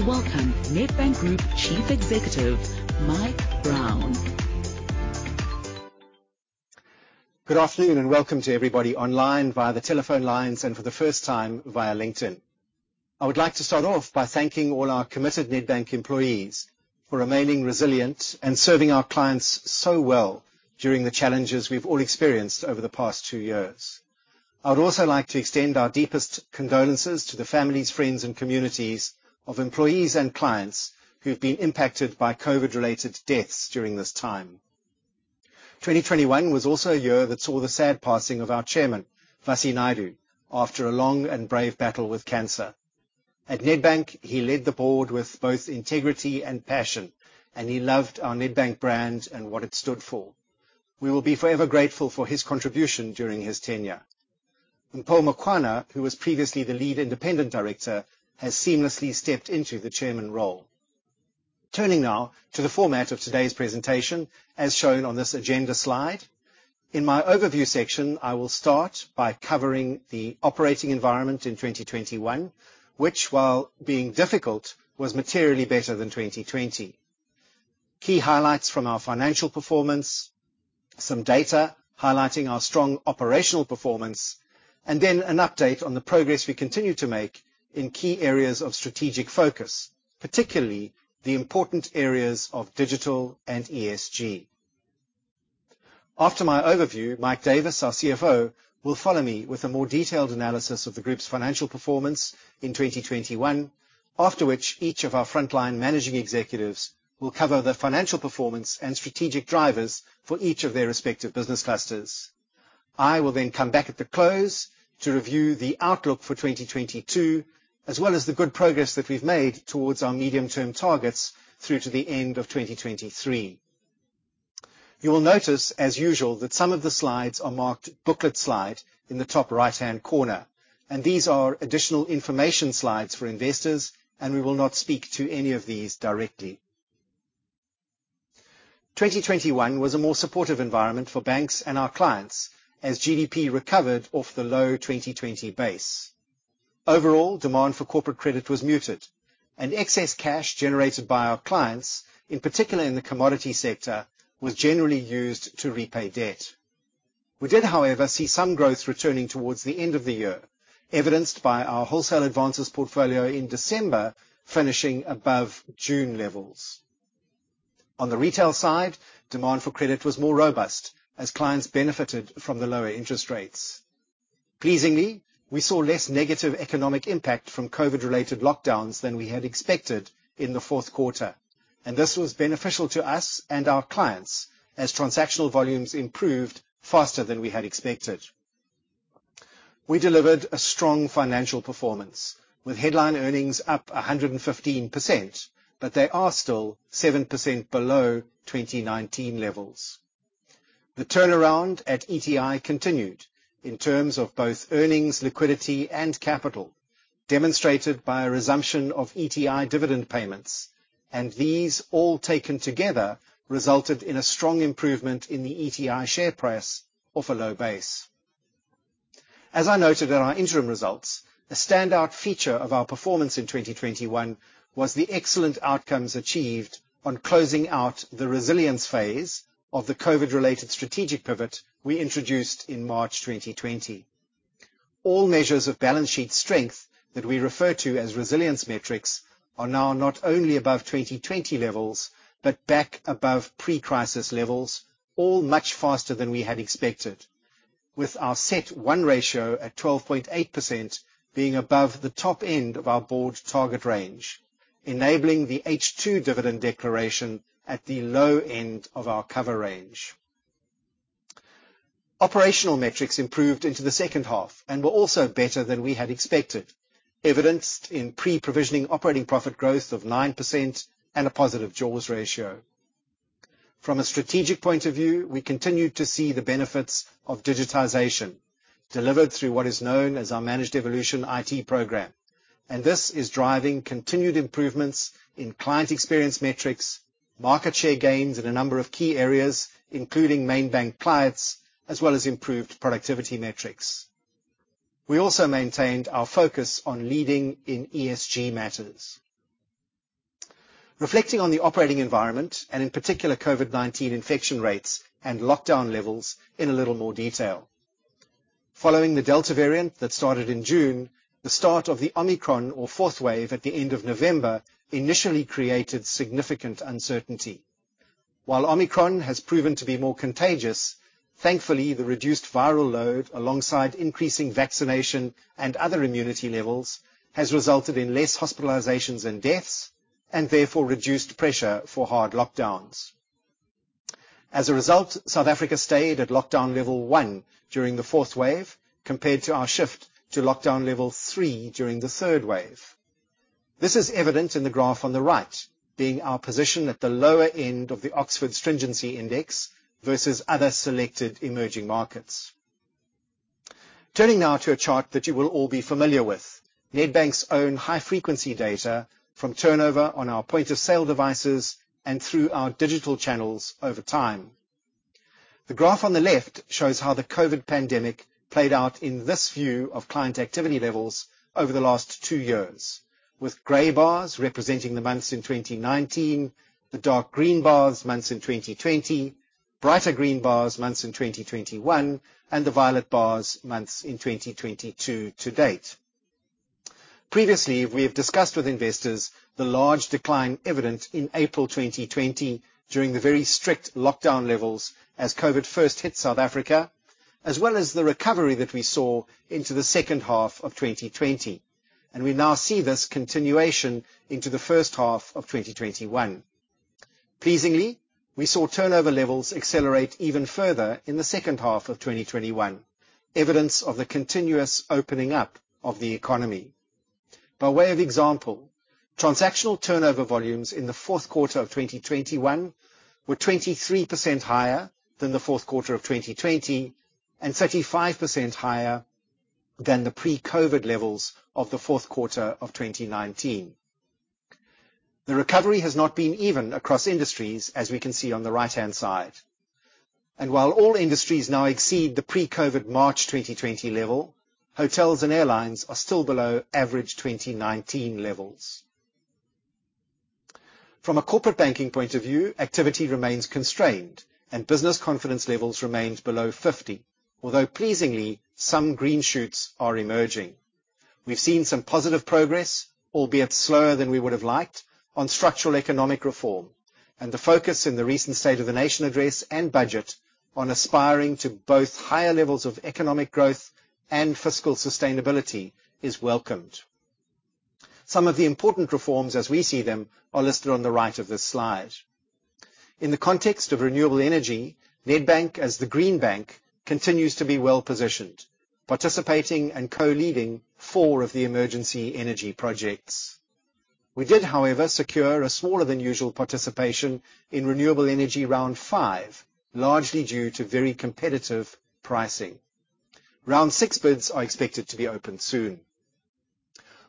Please welcome Nedbank Group Chief Executive, Mike Brown. Good afternoon, and welcome to everybody online via the telephone lines, and for the first time via LinkedIn. I would like to start off by thanking all our committed Nedbank employees for remaining resilient and serving our clients so well during the challenges we've all experienced over the past two years. I would also like to extend our deepest condolences to the families, friends, and communities of employees and clients who have been impacted by COVID-related deaths during this time. 2021 was also a year that saw the sad passing of our Chairman, Vassi Naidoo, after a long and brave battle with cancer. At Nedbank, he led the board with both integrity and passion, and he loved our Nedbank brand and what it stood for. We will be forever grateful for his contribution during his tenure. Mpho Makwana, who was previously the lead independent director, has seamlessly stepped into the Chairman role. Turning now to the format of today's presentation as shown on this agenda slide. In my overview section, I will start by covering the operating environment in 2021, which while being difficult, was materially better than 2020. Key highlights from our financial performance, some data highlighting our strong operational performance, and then an update on the progress we continue to make in key areas of strategic focus, particularly the important areas of digital and ESG. After my overview, Mike Davis, our CFO, will follow me with a more detailed analysis of the group's financial performance in 2021. After which, each of our frontline managing executives will cover the financial performance and strategic drivers for each of their respective business clusters. I will then come back at the close to review the outlook for 2022, as well as the good progress that we've made towards our medium-term targets through to the end of 2023. You will notice, as usual, that some of the slides are marked booklet slide in the top right-hand corner, and these are additional information slides for investors, and we will not speak to any of these directly. 2021 was a more supportive environment for banks and our clients as GDP recovered off the low 2020 base. Overall, demand for corporate credit was muted, and excess cash generated by our clients, in particular in the commodity sector, was generally used to repay debt. We did, however, see some growth returning towards the end of the year, evidenced by our wholesale advances portfolio in December, finishing above June levels. On the retail side, demand for credit was more robust as clients benefited from the lower interest rates. Pleasingly, we saw less negative economic impact from COVID-related lockdowns than we had expected in the fourth quarter, and this was beneficial to us and our clients as transactional volumes improved faster than we had expected. We delivered a strong financial performance with headline earnings up 115%, but they are still 7% below 2019 levels. The turnaround at ETI continued in terms of both earnings, liquidity, and capital, demonstrated by a resumption of ETI dividend payments, and these all taken together resulted in a strong improvement in the ETI share price from a low base. As I noted in our interim results, a standout feature of our performance in 2021 was the excellent outcomes achieved on closing out the resilience phase of the COVID-related strategic pivot we introduced in March 2020. All measures of balance sheet strength that we refer to as resilience metrics are now not only above 2020 levels, but back above pre-crisis levels, all much faster than we had expected. With our CET1 ratio at 12.8% being above the top end of our board target range, enabling the H2 dividend declaration at the low end of our cover range. Operational metrics improved into the second half and were also better than we had expected, evidenced in pre-provisioning operating profit growth of 9% and a positive jaws ratio. From a strategic point of view, we continued to see the benefits of digitization delivered through what is known as our Managed Evolution IT program. This is driving continued improvements in client experience metrics, market share gains in a number of key areas, including main bank clients, as well as improved productivity metrics. We also maintained our focus on leading in ESG matters. Reflecting on the operating environment and in particular, COVID-19 infection rates and lockdown levels in a little more detail. Following the Delta variant that started in June, the start of the Omicron or fourth wave at the end of November initially created significant uncertainty. While Omicron has proven to be more contagious, thankfully, the reduced viral load alongside increasing vaccination and other immunity levels has resulted in less hospitalizations and deaths, and therefore reduced pressure for hard lockdowns. As a result, South Africa stayed at lockdown level 1 during the fourth wave compared to our shift to lockdown level 3 during the third wave. This is evident in the graph on the right, being our position at the lower end of the Oxford Stringency Index versus other selected emerging markets. Turning now to a chart that you will all be familiar with. Nedbank's own high-frequency data from turnover on our point of sale devices and through our digital channels over time. The graph on the left shows how the COVID pandemic played out in this view of client activity levels over the last two years, with gray bars representing the months in 2019, the dark green bars, months in 2020, brighter green bars, months in 2021, and the violet bars, months in 2022 to date. Previously, we have discussed with investors the large decline evident in April 2020 during the very strict lockdown levels as COVID first hit South Africa, as well as the recovery that we saw into the second half of 2020. We now see this continuation into the first half of 2021. Pleasingly, we saw turnover levels accelerate even further in the second half of 2021, evidence of the continuous opening up of the economy. By way of example, transactional turnover volumes in the fourth quarter of 2021 were 23% higher than the fourth quarter of 2020 and 35% higher than the pre-COVID levels of the fourth quarter of 2019. The recovery has not been even across industries, as we can see on the right-hand side. While all industries now exceed the pre-COVID March 2020 level, hotels and airlines are still below average 2019 levels. From a corporate banking point of view, activity remains constrained and business confidence levels remained below 50. Although pleasingly, some green shoots are emerging. We've seen some positive progress, albeit slower than we would have liked, on structural economic reform. The focus in the recent State of the Nation Address and budget on aspiring to both higher levels of economic growth and fiscal sustainability is welcomed. Some of the important reforms as we see them are listed on the right of this slide. In the context of renewable energy, Nedbank, as the green bank, continues to be well-positioned, participating and co-leading four of the emergency energy projects. We did, however, secure a smaller than usual participation in renewable energy round 5, largely due to very competitive pricing. Round 6 bids are expected to be open soon.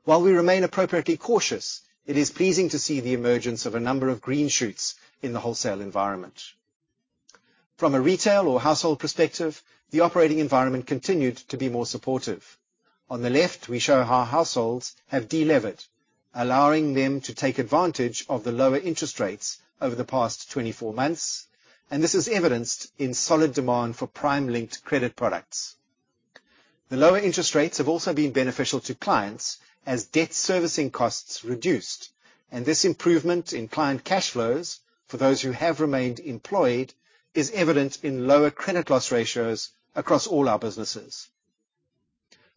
While we remain appropriately cautious, it is pleasing to see the emergence of a number of green shoots in the wholesale environment. From a retail or household perspective, the operating environment continued to be more supportive. On the left, we show how households have delevered, allowing them to take advantage of the lower interest rates over the past 24 months, and this is evidenced in solid demand for prime-linked credit products. The lower interest rates have also been beneficial to clients as debt servicing costs reduced, and this improvement in client cash flows, for those who have remained employed, is evident in lower credit loss ratios across all our businesses.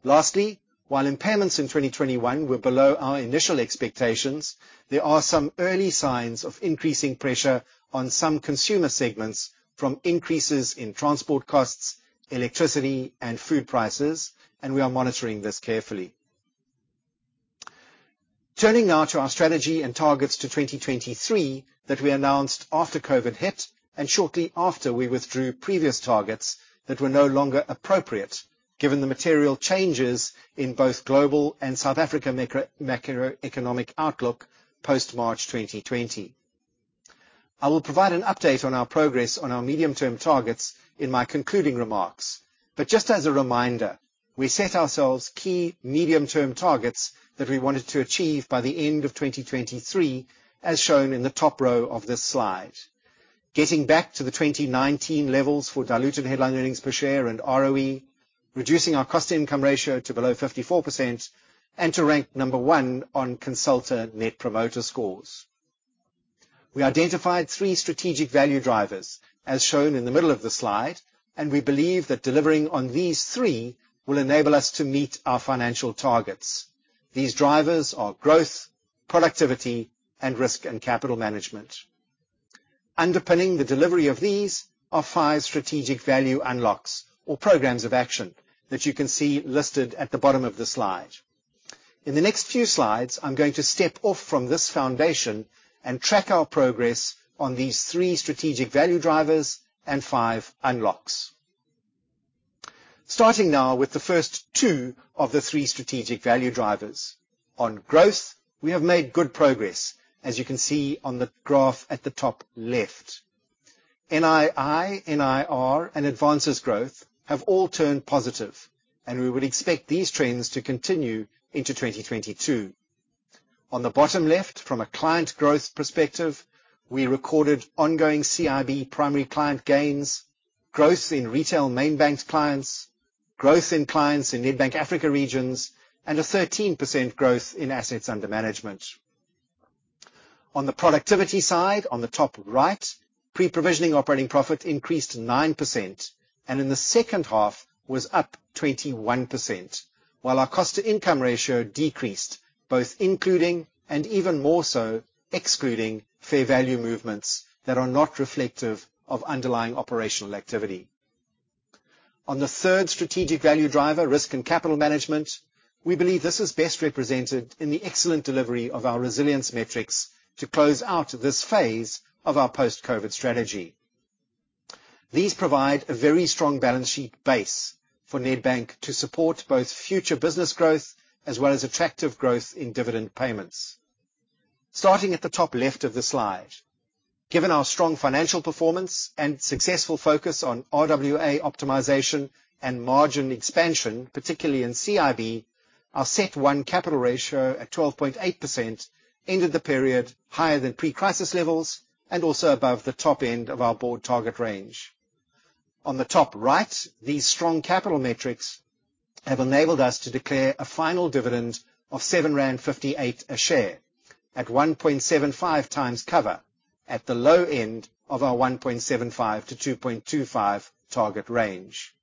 Lastly, while impairments in 2021 were below our initial expectations, there are some early signs of increasing pressure on some consumer segments from increases in transport costs, electricity, and food prices, and we are monitoring this carefully. Turning now to our strategy and targets to 2023 that we announced after COVID hit and shortly after we withdrew previous targets that were no longer appropriate given the material changes in both global and South African macroeconomic outlook post March 2020. I will provide an update on our progress on our medium-term targets in my concluding remarks. Just as a reminder, we set ourselves key medium-term targets that we wanted to achieve by the end of 2023, as shown in the top row of this slide. Getting back to the 2019 levels for diluted headline earnings per share and ROE, reducing our cost income ratio to below 54%, and to rank number one on Consulta net promoter scores. We identified three strategic value drivers as shown in the middle of the slide, and we believe that delivering on these three will enable us to meet our financial targets. These drivers are growth, productivity, and risk and capital management. Underpinning the delivery of these are five strategic value unlocks or programs of action that you can see listed at the bottom of the slide. In the next few slides, I'm going to step off from this foundation and track our progress on these three strategic value drivers and five unlocks. Starting now with the first two of the three strategic value drivers. On growth, we have made good progress, as you can see on the graph at the top left. NII, NIR, and advances growth have all turned positive, and we would expect these trends to continue into 2022. On the bottom left, from a client growth perspective, we recorded ongoing CIB primary client gains, growth in retail main bank clients, growth in clients in Nedbank Africa Regions, and a 13% growth in assets under management. On the productivity side, on the top right, pre-provisioning operating profit increased 9%, and in the second half was up 21%. While our cost to income ratio decreased, both including and even more so excluding fair value movements that are not reflective of underlying operational activity. On the third strategic value driver, risk and capital management, we believe this is best represented in the excellent delivery of our resilience metrics to close out this phase of our post-COVID strategy. These provide a very strong balance sheet base for Nedbank to support both future business growth as well as attractive growth in dividend payments. Starting at the top left of the slide. Given our strong financial performance and successful focus on RWA optimization and margin expansion, particularly in CIB, our CET1 capital ratio at 12.8% ended the period higher than pre-crisis levels and also above the top end of our board target range. On the top right, these strong capital metrics have enabled us to declare a final dividend of 7.58 rand a share at 1.75x cover at the low end of our 1.75-2.25 target range.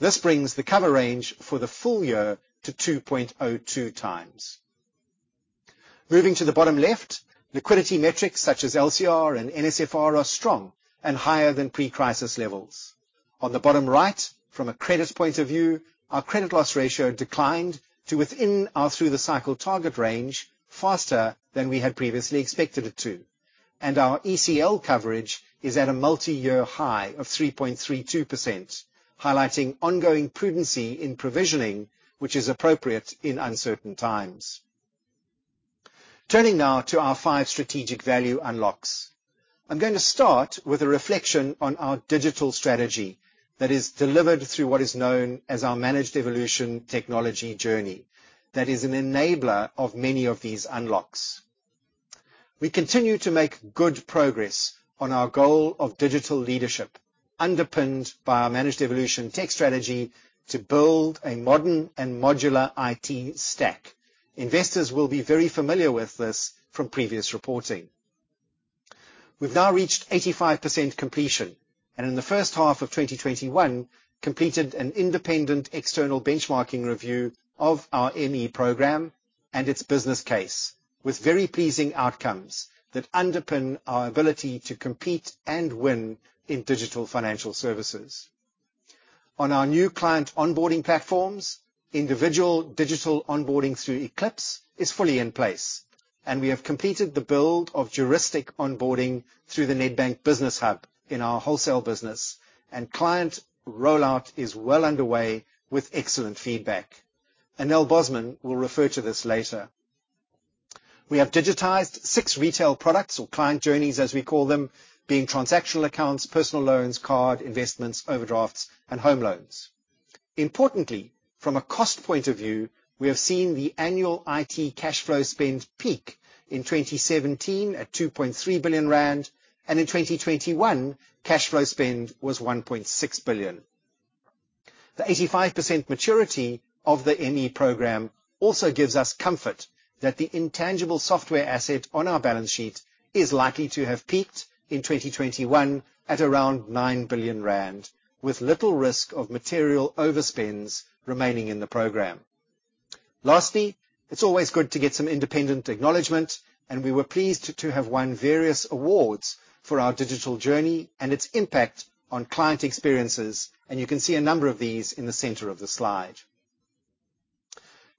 This brings the cover range for the full year to 2.02x. Moving to the bottom left, liquidity metrics such as LCR and NSFR are strong and higher than pre-crisis levels. On the bottom right, from a credit point of view, our credit loss ratio declined to within our through the cycle target range faster than we had previously expected it to, and our ECL coverage is at a multi-year high of 3.32%, highlighting ongoing prudency in provisioning, which is appropriate in uncertain times. Turning now to our five strategic value unlocks. I'm gonna start with a reflection on our digital strategy that is delivered through what is known as our Managed Evolution technology journey that is an enabler of many of these unlocks. We continue to make good progress on our goal of digital leadership, underpinned by our Managed Evolution tech strategy to build a modern and modular IT stack. Investors will be very familiar with this from previous reporting. We've now reached 85% completion, and in the first half of 2021, completed an independent external benchmarking review of our ME program and its business case with very pleasing outcomes that underpin our ability to compete and win in digital financial services. On our new client onboarding platforms, individual digital onboarding through Eclipse is fully in place, and we have completed the build of juristic onboarding through the Nedbank Business Hub in our wholesale business, and client rollout is well underway with excellent feedback. Anél Bosman will refer to this later. We have digitized 6 retail products or client journeys, as we call them, being transactional accounts, personal loans, card investments, overdrafts, and home loans. Importantly, from a cost point of view, we have seen the annual IT cash flow spend peak in 2017 at 2.3 billion rand, and in 2021, cash flow spend was 1.6 billion. The 85% maturity of the ME program also gives us comfort that the intangible software asset on our balance sheet is likely to have peaked in 2021 at around 9 billion rand, with little risk of material overspends remaining in the program. Lastly, it's always good to get some independent acknowledgement, and we were pleased to have won various awards for our digital journey and its impact on client experiences, and you can see a number of these in the center of the slide.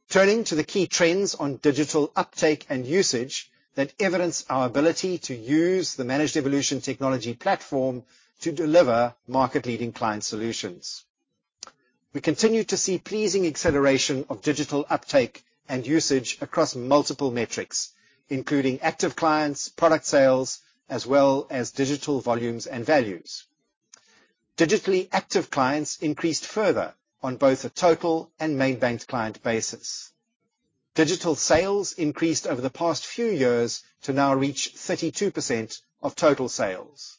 Turning to the key trends on digital uptake and usage that evidence our ability to use the Managed Evolution technology platform to deliver market-leading client solutions. We continue to see pleasing acceleration of digital uptake and usage across multiple metrics, including active clients, product sales, as well as digital volumes and values. Digitally active clients increased further on both a total and main bank client basis. Digital sales increased over the past few years to now reach 32% of total sales.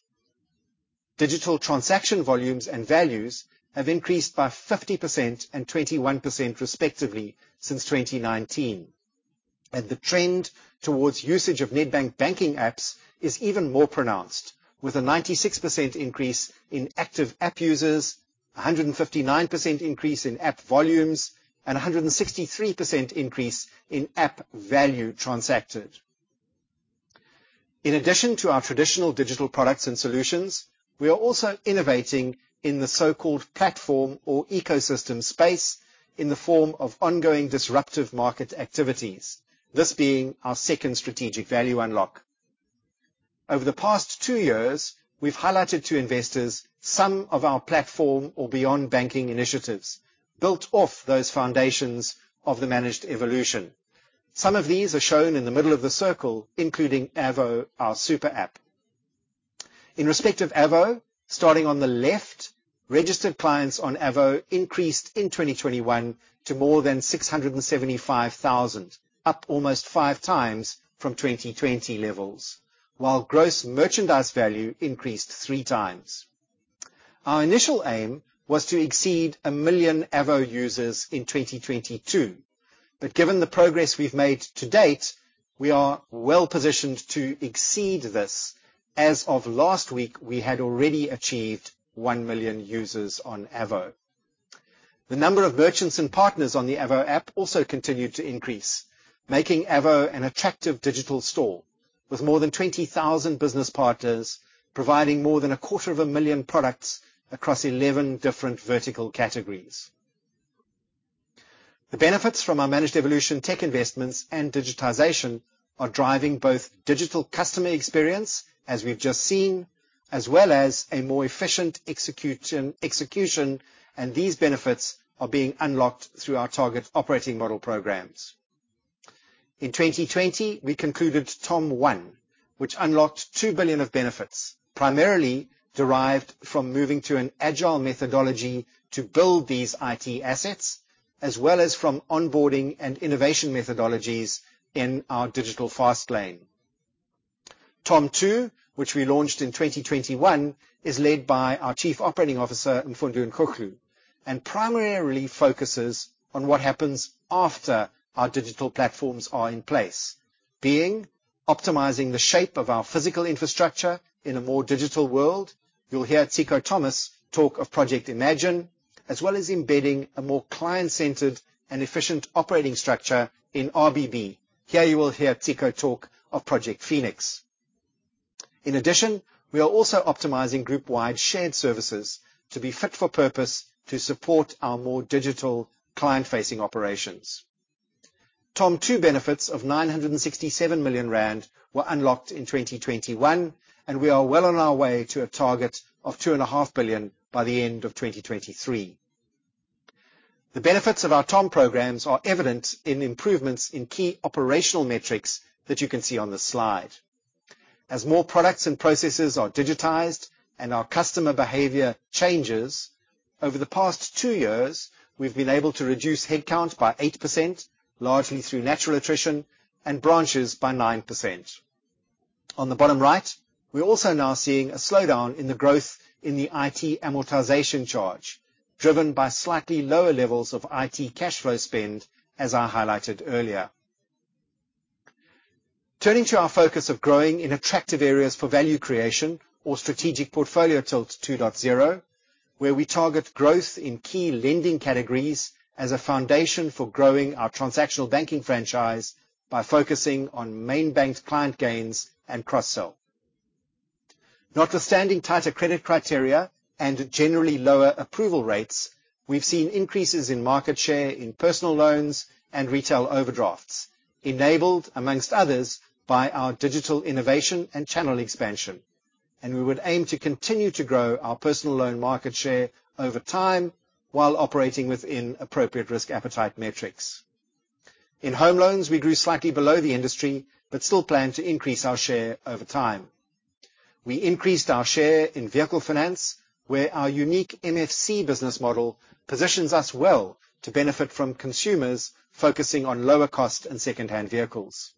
Digital transaction volumes and values have increased by 50% and 21%, respectively, since 2019. The trend towards usage of Nedbank banking apps is even more pronounced, with a 96% increase in active app users, a 159% increase in app volumes, and a 163% increase in app value transacted. In addition to our traditional digital products and solutions, we are also innovating in the so-called platform or ecosystem space in the form of ongoing disruptive market activities, this being our second strategic value unlock. Over the past two years, we've highlighted to investors some of our platform and beyond banking initiatives built off those foundations of the Managed Evolution. Some of these are shown in the middle of the circle, including Avo, our super app. In respect of Avo, starting on the left, registered clients on Avo increased in 2021 to more than 675,000, up almost 5x from 2020 levels, while gross merchandise value increased 3x. Our initial aim was to exceed 1 million Avo users in 2022, but given the progress we've made to date, we are well-positioned to exceed this. As of last week, we had already achieved 1 million users on Avo. The number of merchants and partners on the Avo app also continued to increase, making Avo an attractive digital store with more than 20,000 business partners, providing more than 250,000 products across 11 different vertical categories. The benefits from our Managed Evolution tech investments and digitization are driving both digital customer experience, as we've just seen, as well as a more efficient execution, and these benefits are being unlocked through our target operating model programs. In 2020, we concluded TOM 1, which unlocked 2 billion of benefits, primarily derived from moving to an agile methodology to build these IT assets, as well as from onboarding and innovation methodologies in our digital fast lane. TOM 2, which we launched in 2021, is led by our Chief Operating Officer, Mfundo Nkuhlu, and primarily focuses on what happens after our digital platforms are in place. Optimizing the shape of our physical infrastructure in a more digital world. You'll hear Ciko Thomas talk of Project Imagine, as well as embedding a more client-centered and efficient operating structure in RBB. Here, you will hear Ciko talk of Project Phoenix. In addition, we are also optimizing group-wide shared services to be fit for purpose to support our more digital client-facing operations. TOM two benefits of 967 million rand were unlocked in 2021, and we are well on our way to a target of 2.5 billion by the end of 2023. The benefits of our TOM programs are evident in improvements in key operational metrics that you can see on the slide. As more products and processes are digitized and our customer behavior changes, over the past two years, we've been able to reduce headcount by 8%, largely through natural attrition and branches by 9%. On the bottom right, we're also now seeing a slowdown in the growth in the IT amortization charge, driven by slightly lower levels of IT cash flow spend, as I highlighted earlier. Turning to our focus of growing in attractive areas for value creation, our Strategic Portfolio Tilt 2.0, where we target growth in key lending categories as a foundation for growing our transactional banking franchise by focusing on main bank client gains and cross-sell. Notwithstanding tighter credit criteria and generally lower approval rates, we've seen increases in market share in personal loans and retail overdrafts, enabled, amongst others, by our digital innovation and channel expansion. We would aim to continue to grow our personal loan market share over time while operating within appropriate risk appetite metrics. In home loans, we grew slightly below the industry, but still plan to increase our share over time. We increased our share in vehicle finance, where our unique MFC business model positions us well to benefit from consumers focusing on lower cost and secondhand vehicles.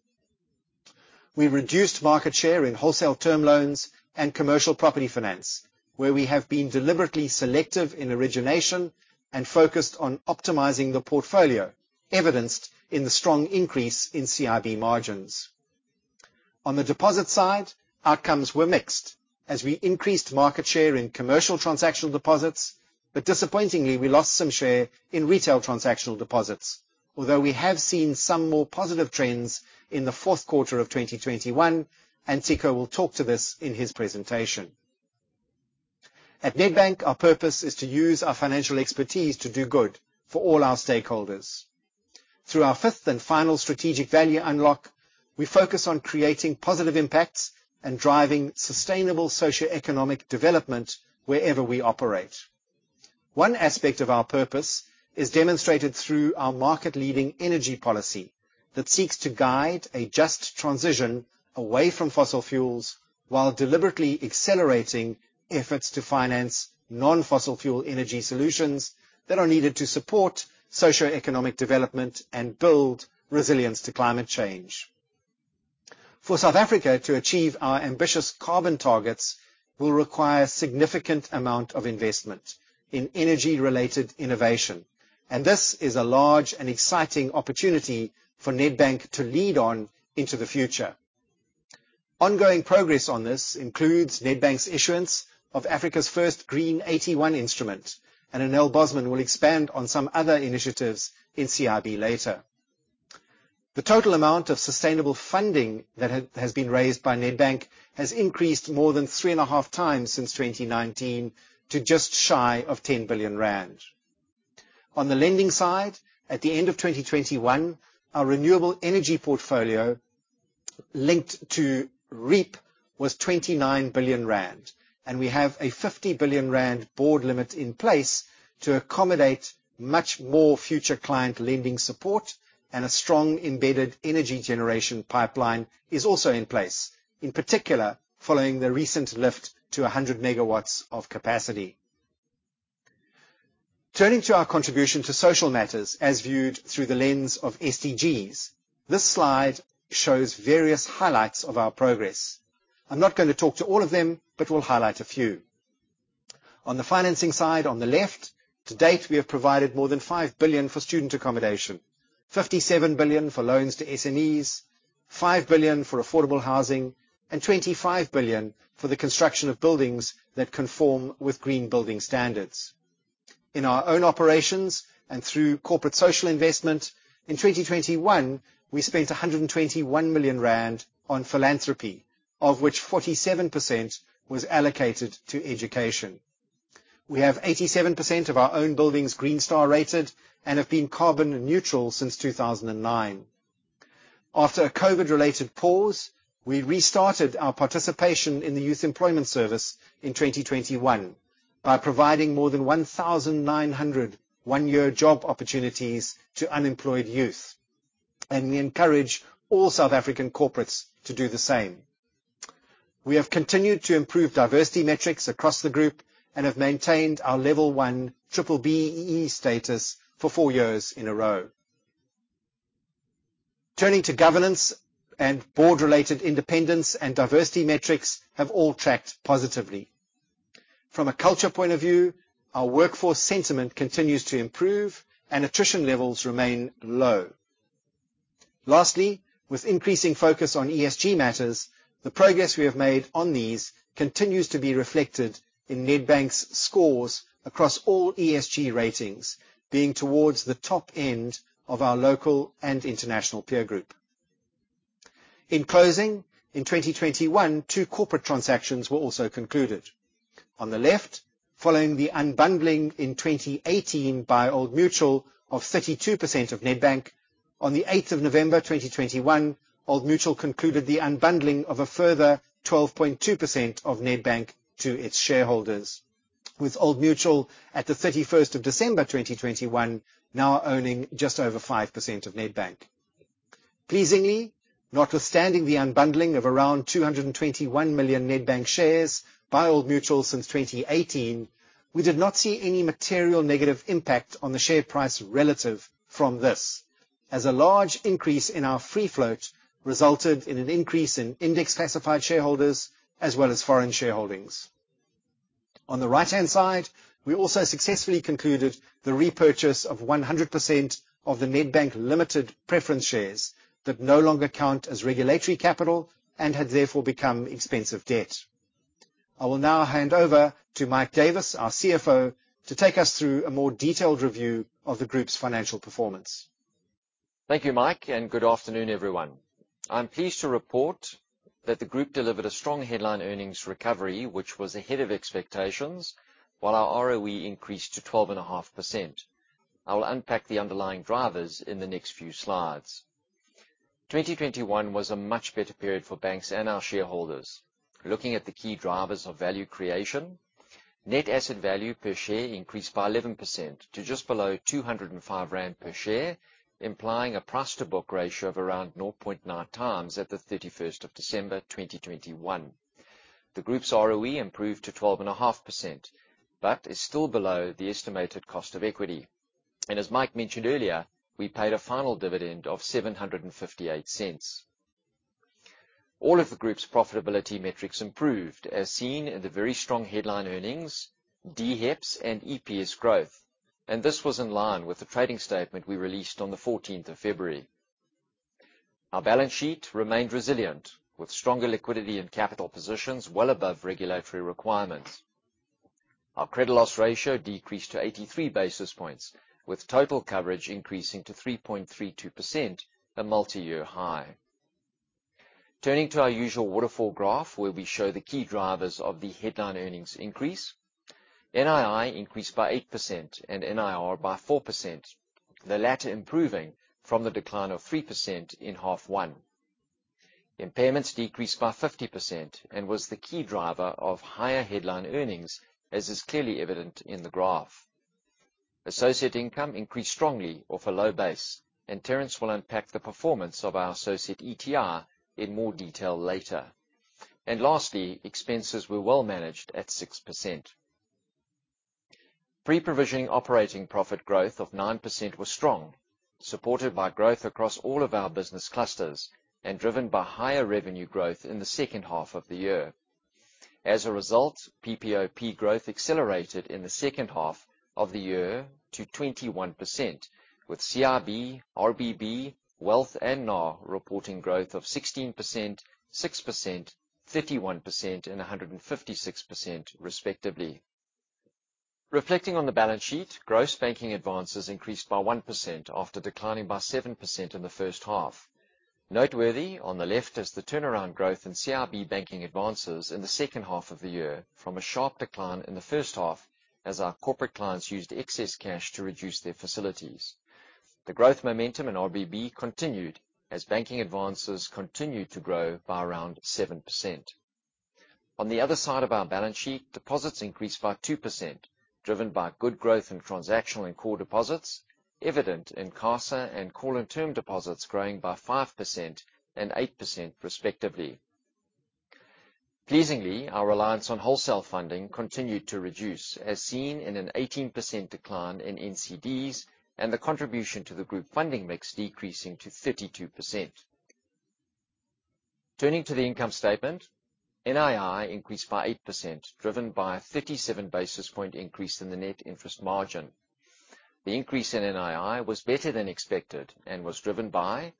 We reduced market share in wholesale term loans and commercial property finance, where we have been deliberately selective in origination and focused on optimizing the portfolio, evidenced in the strong increase in CIB margins. On the deposit side, outcomes were mixed as we increased market share in commercial transactional deposits, but disappointingly, we lost some share in retail transactional deposits, although we have seen some more positive trends in the fourth quarter of 2021, and Ciko Thomas will talk to this in his presentation. At Nedbank, our purpose is to use our financial expertise to do good for all our stakeholders. Through our fifth and final strategic value unlock, we focus on creating positive impacts and driving sustainable socioeconomic development wherever we operate. One aspect of our purpose is demonstrated through our market-leading energy policy that seeks to guide a just transition away from fossil fuels while deliberately accelerating efforts to finance non-fossil fuel energy solutions that are needed to support socioeconomic development and build resilience to climate change. For South Africa to achieve our ambitious carbon targets will require a significant amount of investment in energy-related innovation, and this is a large and exciting opportunity for Nedbank to lead on into the future. Ongoing progress on this includes Nedbank's issuance of Africa's first Green AT1 instrument, and Anél Bosman will expand on some other initiatives in CIB later. The total amount of sustainable funding that has been raised by Nedbank has increased more than 3.5x since 2019 to just shy of 10 billion rand. On the lending side, at the end of 2021, our renewable energy portfolio linked to REAP was 29 billion rand, and we have a 50 billion rand board limit in place to accommodate much more future client lending support and a strong embedded energy generation pipeline is also in place, in particular, following the recent lift to 100 MW of capacity. Turning to our contribution to social matters as viewed through the lens of SDGs, this slide shows various highlights of our progress. I'm not gonna talk to all of them, but we'll highlight a few. On the financing side, on the left, to date, we have provided more than 5 billion for student accommodation, 57 billion for loans to SMEs, 5 billion for affordable housing, and 25 billion for the construction of buildings that conform with green building standards. In our own operations and through corporate social investment, in 2021, we spent 121 million rand on philanthropy, of which 47% was allocated to education. We have 87% of our own buildings Green Star rated and have been carbon neutral since 2009. After a COVID-related pause, we restarted our participation in the Youth Employment Service in 2021 by providing more than 1,900 one-year job opportunities to unemployed youth, and we encourage all South African corporates to do the same. We have continued to improve diversity metrics across the group and have maintained our level 1 B-BBEE status for four years in a row. Turning to governance, board-related independence and diversity metrics have all tracked positively. From a culture point of view, our workforce sentiment continues to improve, and attrition levels remain low. Lastly, with increasing focus on ESG matters, the progress we have made on these continues to be reflected in Nedbank's scores across all ESG ratings being towards the top end of our local and international peer group. In closing, in 2021, two corporate transactions were also concluded. On the left, following the unbundling in 2018 by Old Mutual of 32% of Nedbank, on the eighth of November 2021, Old Mutual concluded the unbundling of a further 12.2% of Nedbank to its shareholders. With Old Mutual at the thirty-first of December 2021 now owning just over 5% of Nedbank. Pleasingly, notwithstanding the unbundling of around 221 million Nedbank shares by Old Mutual since 2018, we did not see any material negative impact on the share price resulting from this, as a large increase in our free float resulted in an increase in index-classified shareholders as well as foreign shareholdings. On the right-hand side, we also successfully concluded the repurchase of 100% of the Nedbank Limited preference shares that no longer count as regulatory capital and had therefore become expensive debt. I will now hand over to Mike Davis, our CFO, to take us through a more detailed review of the group's financial performance. Thank you, Mike, and good afternoon, everyone. I'm pleased to report that the group delivered a strong headline earnings recovery, which was ahead of expectations, while our ROE increased to 12.5%. I will unpack the underlying drivers in the next few slides. 2021 was a much better period for banks and our shareholders. Looking at the key drivers of value creation, net asset value per share increased by 11% to just below 205 rand per share, implying a price to book ratio of around 0.9x at the 31st of December, 2021. The group's ROE improved to 12.5%, but is still below the estimated cost of equity. As Mike mentioned earlier, we paid a final dividend of 7.58. All of the group's profitability metrics improved, as seen in the very strong headline earnings, DHEPS and EPS growth. This was in line with the trading statement we released on the fourteenth of February. Our balance sheet remained resilient, with stronger liquidity and capital positions well above regulatory requirements. Our credit loss ratio decreased to 83 basis points, with total coverage increasing to 3.32%, a multi-year high. Turning to our usual waterfall graph, where we show the key drivers of the headline earnings increase. NII increased by 8% and NIR by 4%, the latter improving from the decline of 3% in half one. Impairments decreased by 50% and was the key driver of higher headline earnings, as is clearly evident in the graph. Associate income increased strongly off a low base, and Terence will unpack the performance of our associate ETI in more detail later. Lastly, expenses were well managed at 6%. Pre-provisioning operating profit growth of 9% was strong, supported by growth across all of our business clusters and driven by higher revenue growth in the second half of the year. As a result, PPOP growth accelerated in the second half of the year to 21%, with CIB, RBB, Wealth and NAR reporting growth of 16%, 6%, 31% and 156% respectively. Reflecting on the balance sheet, gross banking advances increased by 1% after declining by 7% in the first half. Noteworthy on the left is the turnaround growth in CIB banking advances in the second half of the year from a sharp decline in the first half as our corporate clients used excess cash to reduce their facilities. The growth momentum in RBB continued as banking advances continued to grow by around 7%. On the other side of our balance sheet, deposits increased by 2%, driven by good growth in transactional and core deposits, evident in CASA and call and term deposits growing by 5% and 8% respectively. Pleasingly, our reliance on wholesale funding continued to reduce, as seen in an 18% decline in NCDs and the contribution to the group funding mix decreasing to 32%. Turning to the income statement, NII increased by 8%, driven by a 37 basis point increase in the net interest margin. The increase in NII was better than expected and was driven by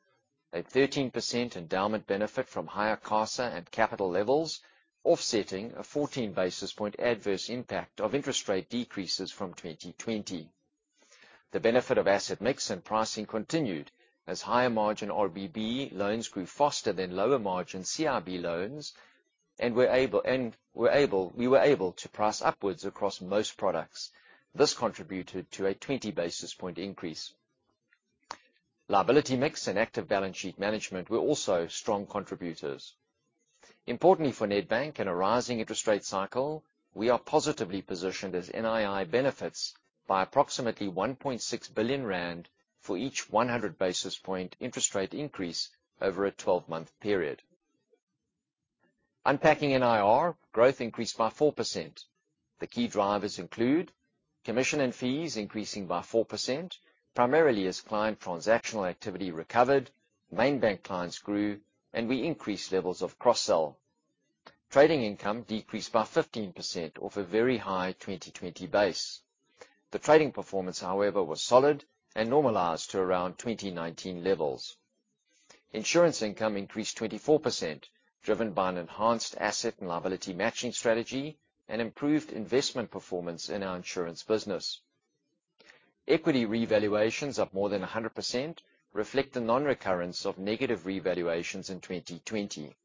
a 13% endowment benefit from higher CASA and capital levels, offsetting a 14 basis point adverse impact of interest rate decreases from 2020. The benefit of asset mix and pricing continued as higher margin RBB loans grew faster than lower margin CIB loans. We were able to price upwards across most products. This contributed to a 20 basis point increase. Liability mix and active balance sheet management were also strong contributors. Importantly for Nedbank, in a rising interest rate cycle, we are positively positioned as NII benefits by approximately 1.6 billion rand for each 100 basis point interest rate increase over a 12-month period. Unpacking NIR growth increased by 4%. The key drivers include commission and fees increasing by 4%, primarily as client transactional activity recovered, main bank clients grew, and we increased levels of cross-sell. Trading income decreased by 15% off a very high 2020 base. The trading performance, however, was solid and normalized to around 2019 levels. Insurance income increased 24%, driven by an enhanced asset and liability matching strategy and improved investment performance in our insurance business. Equity revaluations of more than 100% reflect the non-recurrence of negative revaluations in 2020.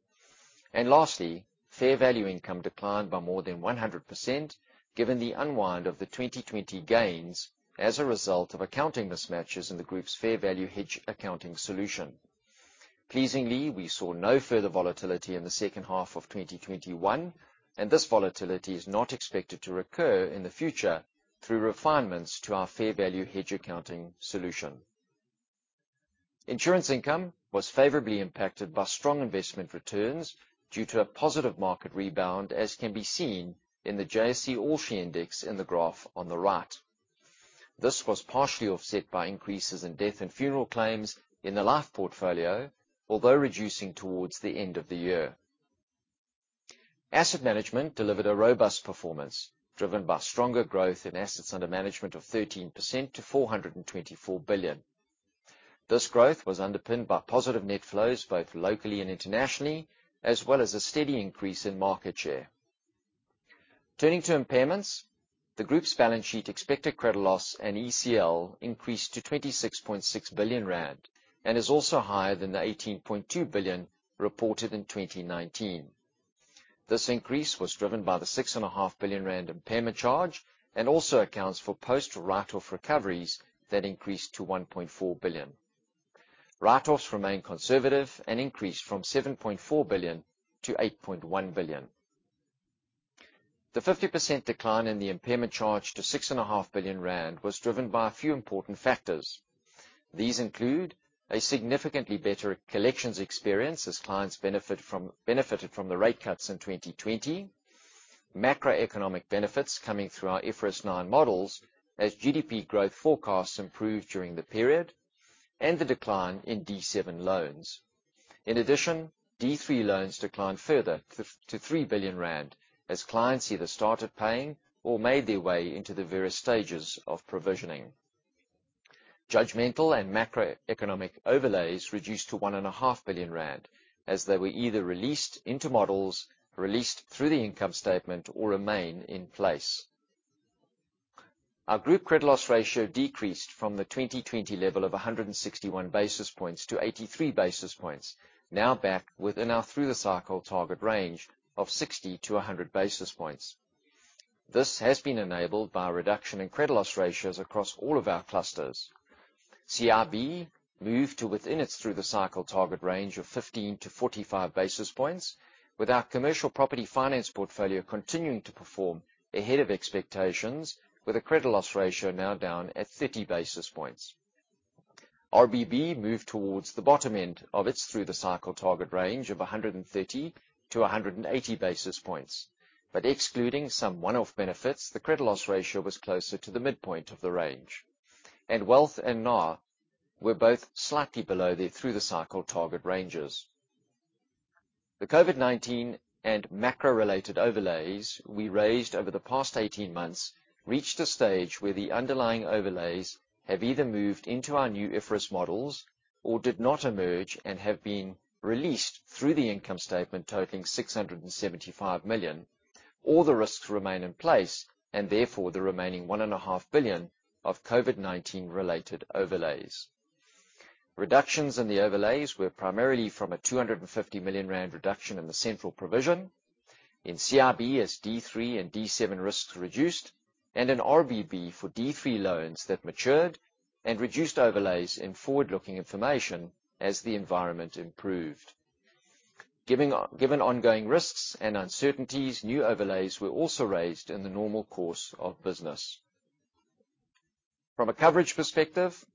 Lastly, fair value income declined by more than 100%, given the unwind of the 2020 gains as a result of accounting mismatches in the group's fair value hedge accounting solution. Pleasingly, we saw no further volatility in the second half of 2021, and this volatility is not expected to recur in the future through refinements to our fair value hedge accounting solution. Insurance income was favorably impacted by strong investment returns due to a positive market rebound, as can be seen in the JSE All Share Index in the graph on the right. This was partially offset by increases in death and funeral claims in the life portfolio, although reducing towards the end of the year. Asset management delivered a robust performance driven by stronger growth in assets under management of 13% to 424 billion. This growth was underpinned by positive net flows, both locally and internationally, as well as a steady increase in market share. Turning to impairments, the Group's balance sheet expected credit loss and ECL increased to 26.6 billion rand and is also higher than the 18.2 billion reported in 2019. This increase was driven by the 6.5 billion rand impairment charge and also accounts for post-write-off recoveries that increased to 1.4 billion. Write-offs remain conservative and increased from 7.4 billion to 8.1 billion. The 50% decline in the impairment charge to 6.5 billion rand was driven by a few important factors. These include a significantly better collections experience as clients benefited from the rate cuts in 2020, macroeconomic benefits coming through our IFRS 9 models as GDP growth forecasts improved during the period, and the decline in D7 loans. In addition, D3 loans declined further to three billion rand as clients either started paying or made their way into the various stages of provisioning. Judgmental and macroeconomic overlays reduced to 1.5 billion rand as they were either released into models, released through the income statement, or remain in place. Our group credit loss ratio decreased from the 2020 level of 161 basis points to 83 basis points. Now back within our through-the-cycle target range of 60-100 basis points. This has been enabled by a reduction in credit loss ratios across all of our clusters. CIB moved to within its through-the-cycle target range of 15-45 basis points, with our commercial property finance portfolio continuing to perform ahead of expectations with a credit loss ratio now down at 30 basis points. RBB moved towards the bottom end of its through-the-cycle target range of 130-180 basis points. Excluding some one-off benefits, the credit loss ratio was closer to the midpoint of the range. Wealth and NAR were both slightly below their through-the-cycle target ranges. The COVID-19 and macro-related overlays we raised over the past 18 months reached a stage where the underlying overlays have either moved into our new IFRS models or did not emerge and have been released through the income statement, totaling 675 million, or the risks remain in place and therefore the remaining 1.5 billion of COVID-19 related overlays. Reductions in the overlays were primarily from a 250 million rand reduction in the central provision. In CIB, as D3 and D7 risks reduced, and in RBB for D3 loans that matured and reduced overlays in forward-looking information as the environment improved. Given ongoing risks and uncertainties, new overlays were also raised in the normal course of business. From a coverage perspective,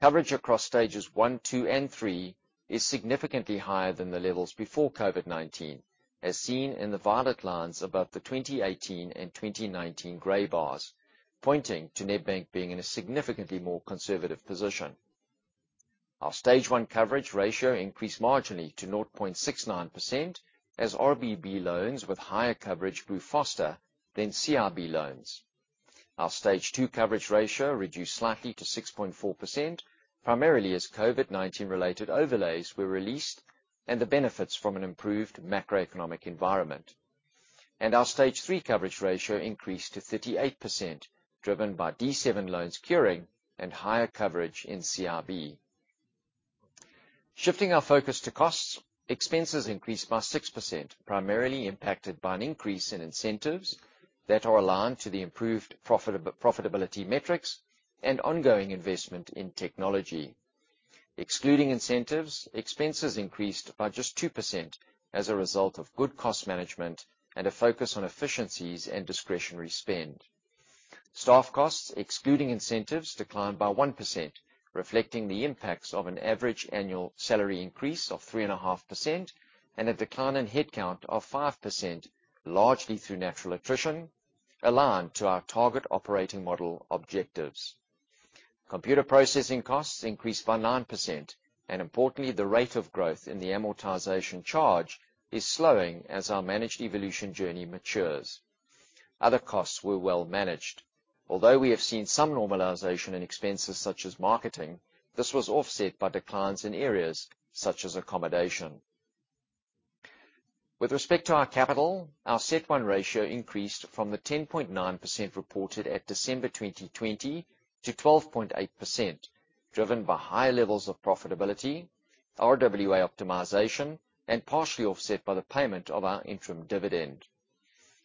coverage across stages 1, 2, and 3 is significantly higher than the levels before COVID-19, as seen in the violet lines above the 2018 and 2019 gray bars, pointing to Nedbank being in a significantly more conservative position. Our stage 1 coverage ratio increased marginally to 0.69% as RBB loans with higher coverage grew faster than CIB loans. Our stage 2 coverage ratio reduced slightly to 6.4%, primarily as COVID-19 related overlays were released and the benefits from an improved macroeconomic environment. Our stage three coverage ratio increased to 38%, driven by D7 loans curing and higher coverage in CIB. Shifting our focus to costs. Expenses increased by 6%, primarily impacted by an increase in incentives that are aligned to the improved profitability metrics and ongoing investment in technology. Excluding incentives, expenses increased by just 2% as a result of good cost management and a focus on efficiencies and discretionary spend. Staff costs, excluding incentives, declined by 1%, reflecting the impacts of an average annual salary increase of 3.5% and a decline in headcount of 5%, largely through natural attrition aligned to our target operating model objectives. Computer processing costs increased by 9%. Importantly, the rate of growth in the amortization charge is slowing as our Managed Evolution journey matures. Other costs were well managed. Although we have seen some normalization in expenses such as marketing, this was offset by declines in areas such as accommodation. With respect to our capital, our CET1 ratio increased from the 10.9% reported at December 2020 to 12.8%, driven by high levels of profitability, RWA optimization, and partially offset by the payment of our interim dividend.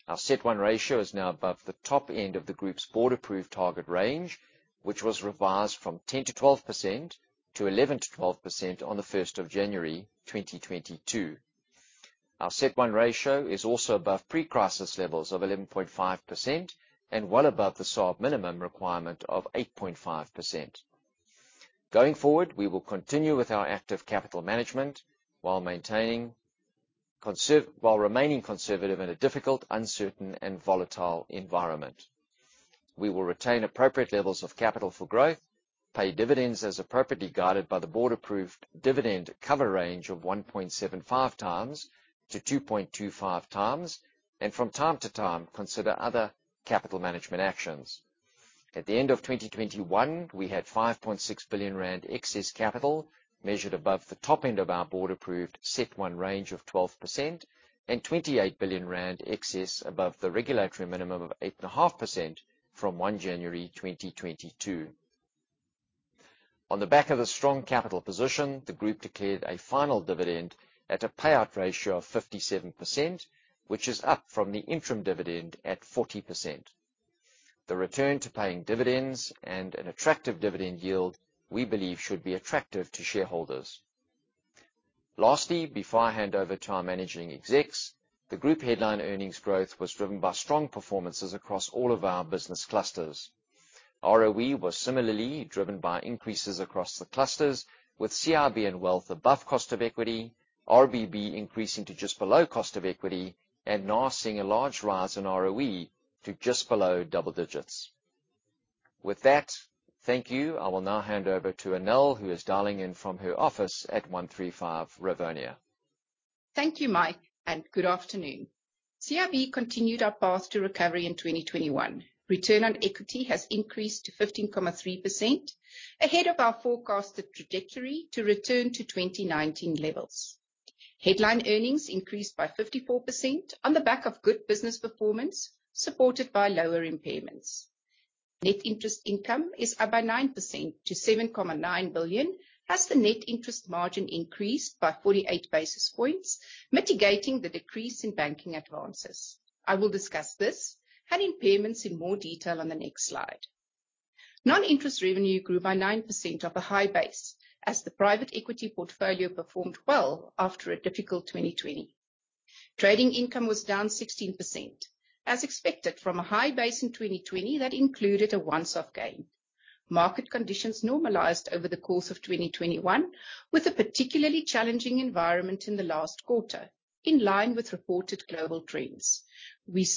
Our CET1 ratio is now above the top end of the group's board-approved target range, which was revised from 10%-12% to 11%-12% on January 1, 2022. Our CET1 ratio is also above pre-crisis levels of 11.5% and well above the SOLV minimum requirement of 8.5%. Going forward, we will continue with our active capital management while remaining conservative in a difficult, uncertain, and volatile environment. We will retain appropriate levels of capital for growth, pay dividends as appropriately guided by the board-approved dividend cover range of 1.75x to 2.25x, and from time to time, consider other capital management actions. At the end of 2021, we had 5.6 billion rand excess capital measured above the top end of our board-approved CET1 range of 12% and 28 billion rand excess above the regulatory minimum of 8.5% from 1 January 2022. On the back of the strong capital position, the group declared a final dividend at a payout ratio of 57%, which is up from the interim dividend at 40%. The return to paying dividends and an attractive dividend yield, we believe, should be attractive to shareholders. Lastly, before I hand over to our managing execs, the group headline earnings growth was driven by strong performances across all of our business clusters. ROE was similarly driven by increases across the clusters, with CIB and Wealth above cost of equity, RBB increasing to just below cost of equity, and now seeing a large rise in ROE to just below double digits. With that, thank you. I will now hand over to Anél, who is dialing in from her office at 135 Rivonia. Thank you, Mike, and good afternoon. CIB continued our path to recovery in 2021. Return on equity has increased to 15.3% ahead of our forecasted trajectory to return to 2019 levels. Headline earnings increased by 54% on the back of good business performance supported by lower impairments. Net interest income is up by 9% to 7.9 billion, as the net interest margin increased by 48 basis points, mitigating the decrease in banking advances. I will discuss this and impairments in more detail on the next slide. Non-interest revenue grew by 9% off a high base as the private equity portfolio performed well after a difficult 2020. Trading income was down 16% as expected from a high base in 2020 that included a once-off gain. Market conditions normalized over the course of 2021, with a particularly challenging environment in the last quarter in line with reported global trends. We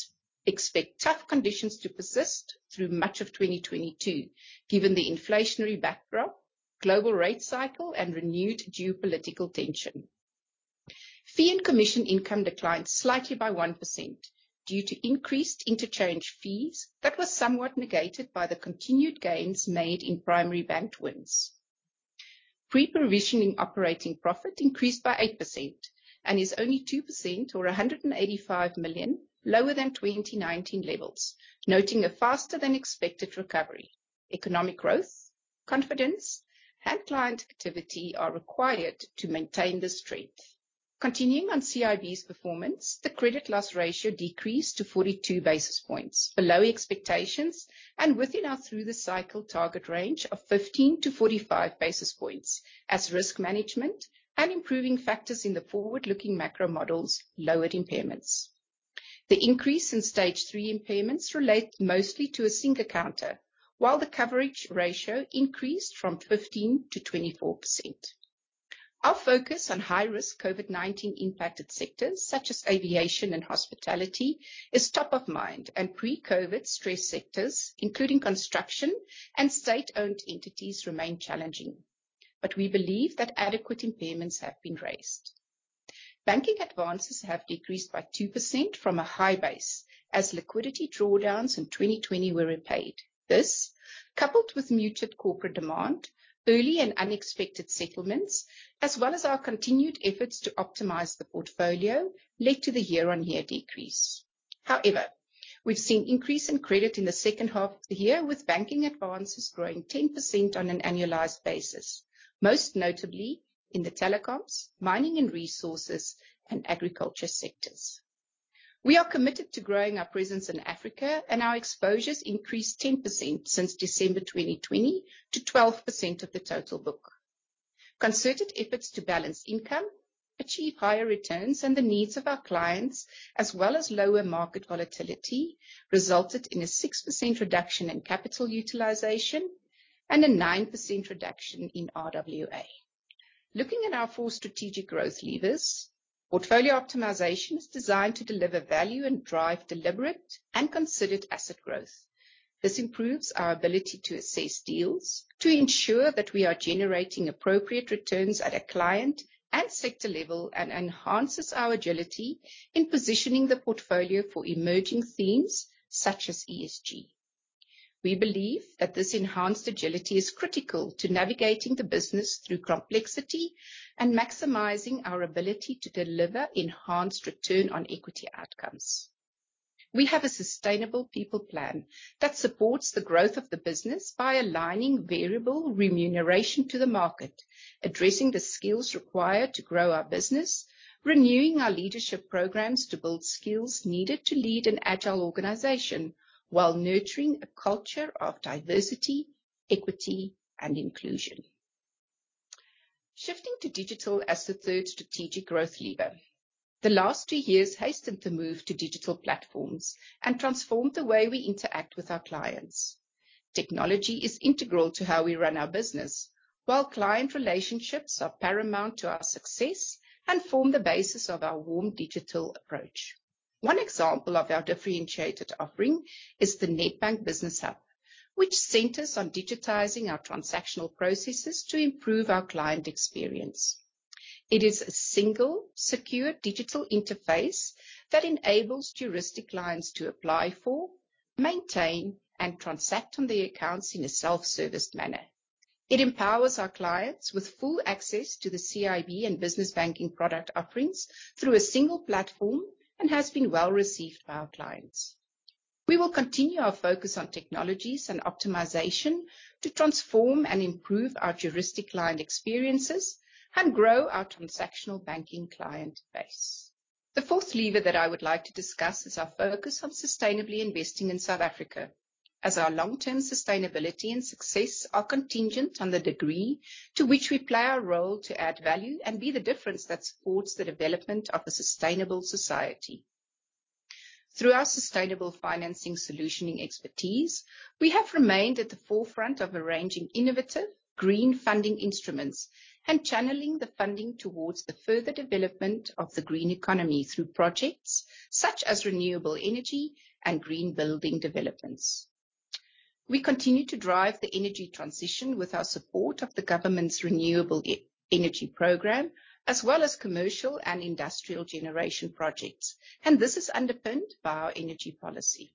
expect tough conditions to persist through much of 2022, given the inflationary backdrop, global rate cycle, and renewed geopolitical tension. Fee and commission income declined slightly by 1% due to increased interchange fees that were somewhat negated by the continued gains made in primary bank wins. Pre-provision operating profit increased by 8% and is only 2% or 185 million lower than 2019 levels, noting a faster than expected recovery. Economic growth, confidence, and client activity are required to maintain this strength. Continuing on CIB's performance, the credit loss ratio decreased to 42 basis points, below expectations and within our through-the-cycle target range of 15-45 basis points as risk management and improving factors in the forward-looking macro models lowered impairments. The increase in Stage 3 impairments relate mostly to a single counter, while the coverage ratio increased from 15%-24%. Our focus on high-risk COVID-19 impacted sectors, such as aviation and hospitality, is top of mind, and pre-COVID stress sectors, including construction and state-owned entities, remain challenging. We believe that adequate impairments have been raised. Banking advances have decreased by 2% from a high base as liquidity drawdowns in 2020 were repaid. This, coupled with muted corporate demand, early and unexpected settlements, as well as our continued efforts to optimize the portfolio, led to the year-on-year decrease. However, we've seen increase in credit in the second half of the year, with banking advances growing 10% on an annualized basis, most notably in the telecoms, mining and resources, and agriculture sectors. We are committed to growing our presence in Africa, and our exposures increased 10% since December 2020 to 12% of the total book. Concerted efforts to balance income, achieve higher returns, and the needs of our clients, as well as lower market volatility, resulted in a 6% reduction in capital utilization and a 9% reduction in RWA. Looking at our four strategic growth levers, portfolio optimization is designed to deliver value and drive deliberate and considered asset growth. This improves our ability to assess deals to ensure that we are generating appropriate returns at a client and sector level, and enhances our agility in positioning the portfolio for emerging themes such as ESG. We believe that this enhanced agility is critical to navigating the business through complexity and maximizing our ability to deliver enhanced return on equity outcomes. We have a sustainable people plan that supports the growth of the business by aligning variable remuneration to the market, addressing the skills required to grow our business, renewing our leadership programs to build skills needed to lead an agile organization while nurturing a culture of diversity, equity, and inclusion. Shifting to digital as the third strategic growth lever. The last two years hastened the move to digital platforms and transformed the way we interact with our clients. Technology is integral to how we run our business, while client relationships are paramount to our success and form the basis of our warm digital approach. One example of our differentiated offering is the Nedbank Business Hub, which centers on digitizing our transactional processes to improve our client experience. It is a single, secure digital interface that enables juristic clients to apply for, maintain, and transact on their accounts in a self-service manner. It empowers our clients with full access to the CIB and business banking product offerings through a single platform and has been well received by our clients. We will continue our focus on technologies and optimization to transform and improve our juristic client experiences and grow our transactional banking client base. The fourth lever that I would like to discuss is our focus on sustainably investing in South Africa, as our long-term sustainability and success are contingent on the degree to which we play our role to add value and be the difference that supports the development of a sustainable society. Through our sustainable financing solutioning expertise, we have remained at the forefront of arranging innovative green funding instruments and channeling the funding towards the further development of the green economy through projects such as renewable energy and green building developments. We continue to drive the energy transition with our support of the government's renewable energy program, as well as commercial and industrial generation projects, and this is underpinned by our energy policy.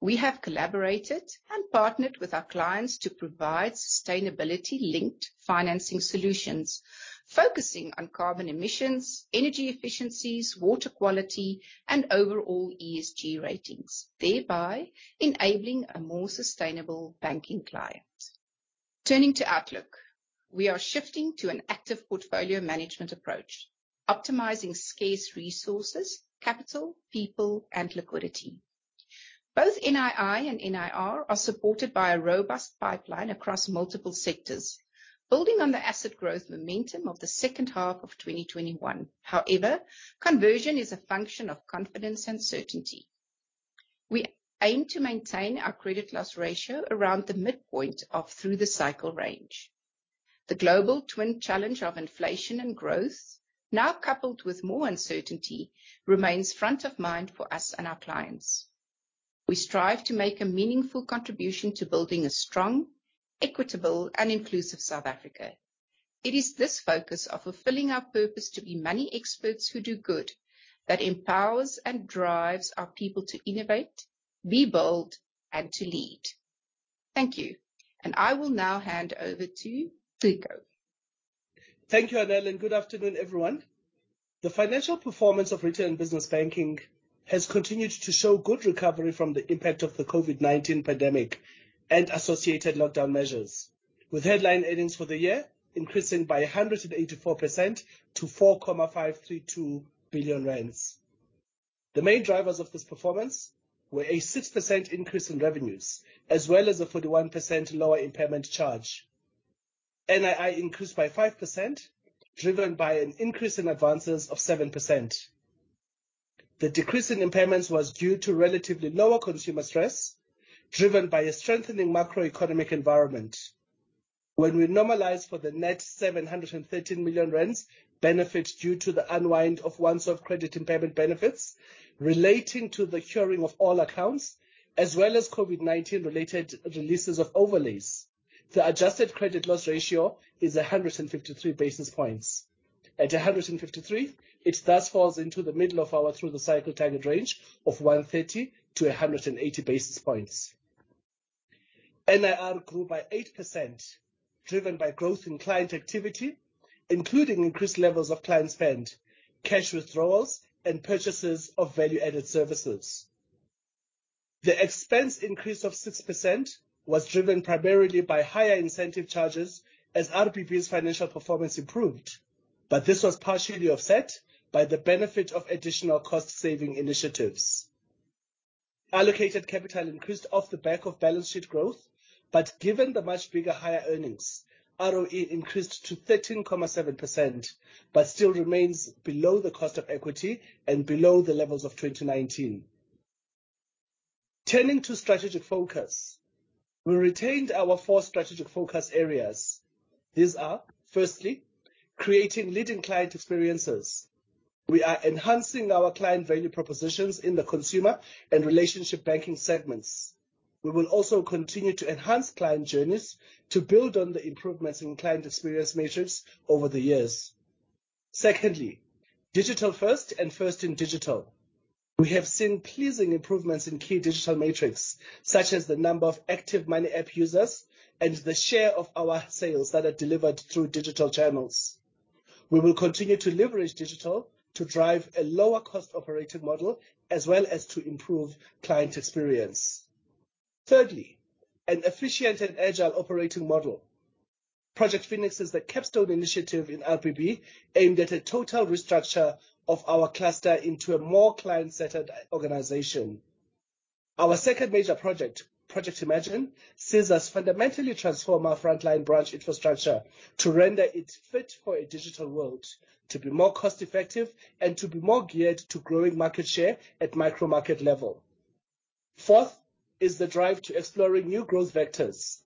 We have collaborated and partnered with our clients to provide sustainability-linked financing solutions focusing on carbon emissions, energy efficiencies, water quality, and overall ESG ratings, thereby enabling a more sustainable banking client. Turning to outlook. We are shifting to an active portfolio management approach, optimizing scarce resources, capital, people, and liquidity. Both NII and NIR are supported by a robust pipeline across multiple sectors, building on the asset growth momentum of the second half of 2021. However, conversion is a function of confidence and certainty. We aim to maintain our credit loss ratio around the midpoint of through-the-cycle range. The global twin challenge of inflation and growth, now coupled with more uncertainty, remains front of mind for us and our clients. We strive to make a meaningful contribution to building a strong, equitable, and inclusive South Africa. It is this focus of fulfilling our purpose to be money experts who do good that empowers and drives our people to innovate, rebuild, and to lead. Thank you. I will now hand over to Ciko Thomas. Thank you, Anél, and good afternoon, everyone. The financial performance of Retail and Business Banking has continued to show good recovery from the impact of the COVID-19 pandemic and associated lockdown measures, with headline earnings for the year increasing by 184% to 4.532 billion rand. The main drivers of this performance were a 6% increase in revenues, as well as a 41% lower impairment charge. NII increased by 5%, driven by an increase in advances of 7%. The decrease in impairments was due to relatively lower consumer stress, driven by a strengthening macroeconomic environment. When we normalize for the net 713 million rand benefit due to the unwind of one-off credit impairment benefits relating to the curing of all accounts, as well as COVID-19 related releases of overlays, the adjusted credit loss ratio is 153 basis points. At 153, it thus falls into the middle of our through-the-cycle target range of 130 to 180 basis points. NIR grew by 8%, driven by growth in client activity, including increased levels of client spend, cash withdrawals, and purchases of value-added services. The expense increase of 6% was driven primarily by higher incentive charges as RBB's financial performance improved, but this was partially offset by the benefit of additional cost-saving initiatives. Allocated capital increased off the back of balance sheet growth, but given the much bigger, higher earnings, ROE increased to 13.7%, but still remains below the cost of equity and below the levels of 2019. Turning to strategic focus. We retained our four strategic focus areas. These are, firstly, creating leading client experiences. We are enhancing our client value propositions in the consumer and relationship banking segments. We will also continue to enhance client journeys to build on the improvements in client experience metrics over the years. Secondly, digital first and first in digital. We have seen pleasing improvements in key digital metrics, such as the number of active money app users and the share of our sales that are delivered through digital channels. We will continue to leverage digital to drive a lower cost operating model as well as to improve client experience. Thirdly, an efficient and agile operating model. Project Phoenix is the capstone initiative in RBB aimed at a total restructure of our cluster into a more client-centered organization. Our second major project, Project Imagine, sees us fundamentally transform our frontline branch infrastructure to render it fit for a digital world, to be more cost-effective and to be more geared to growing market share at micro-market level. Fourth is the drive to exploring new growth vectors.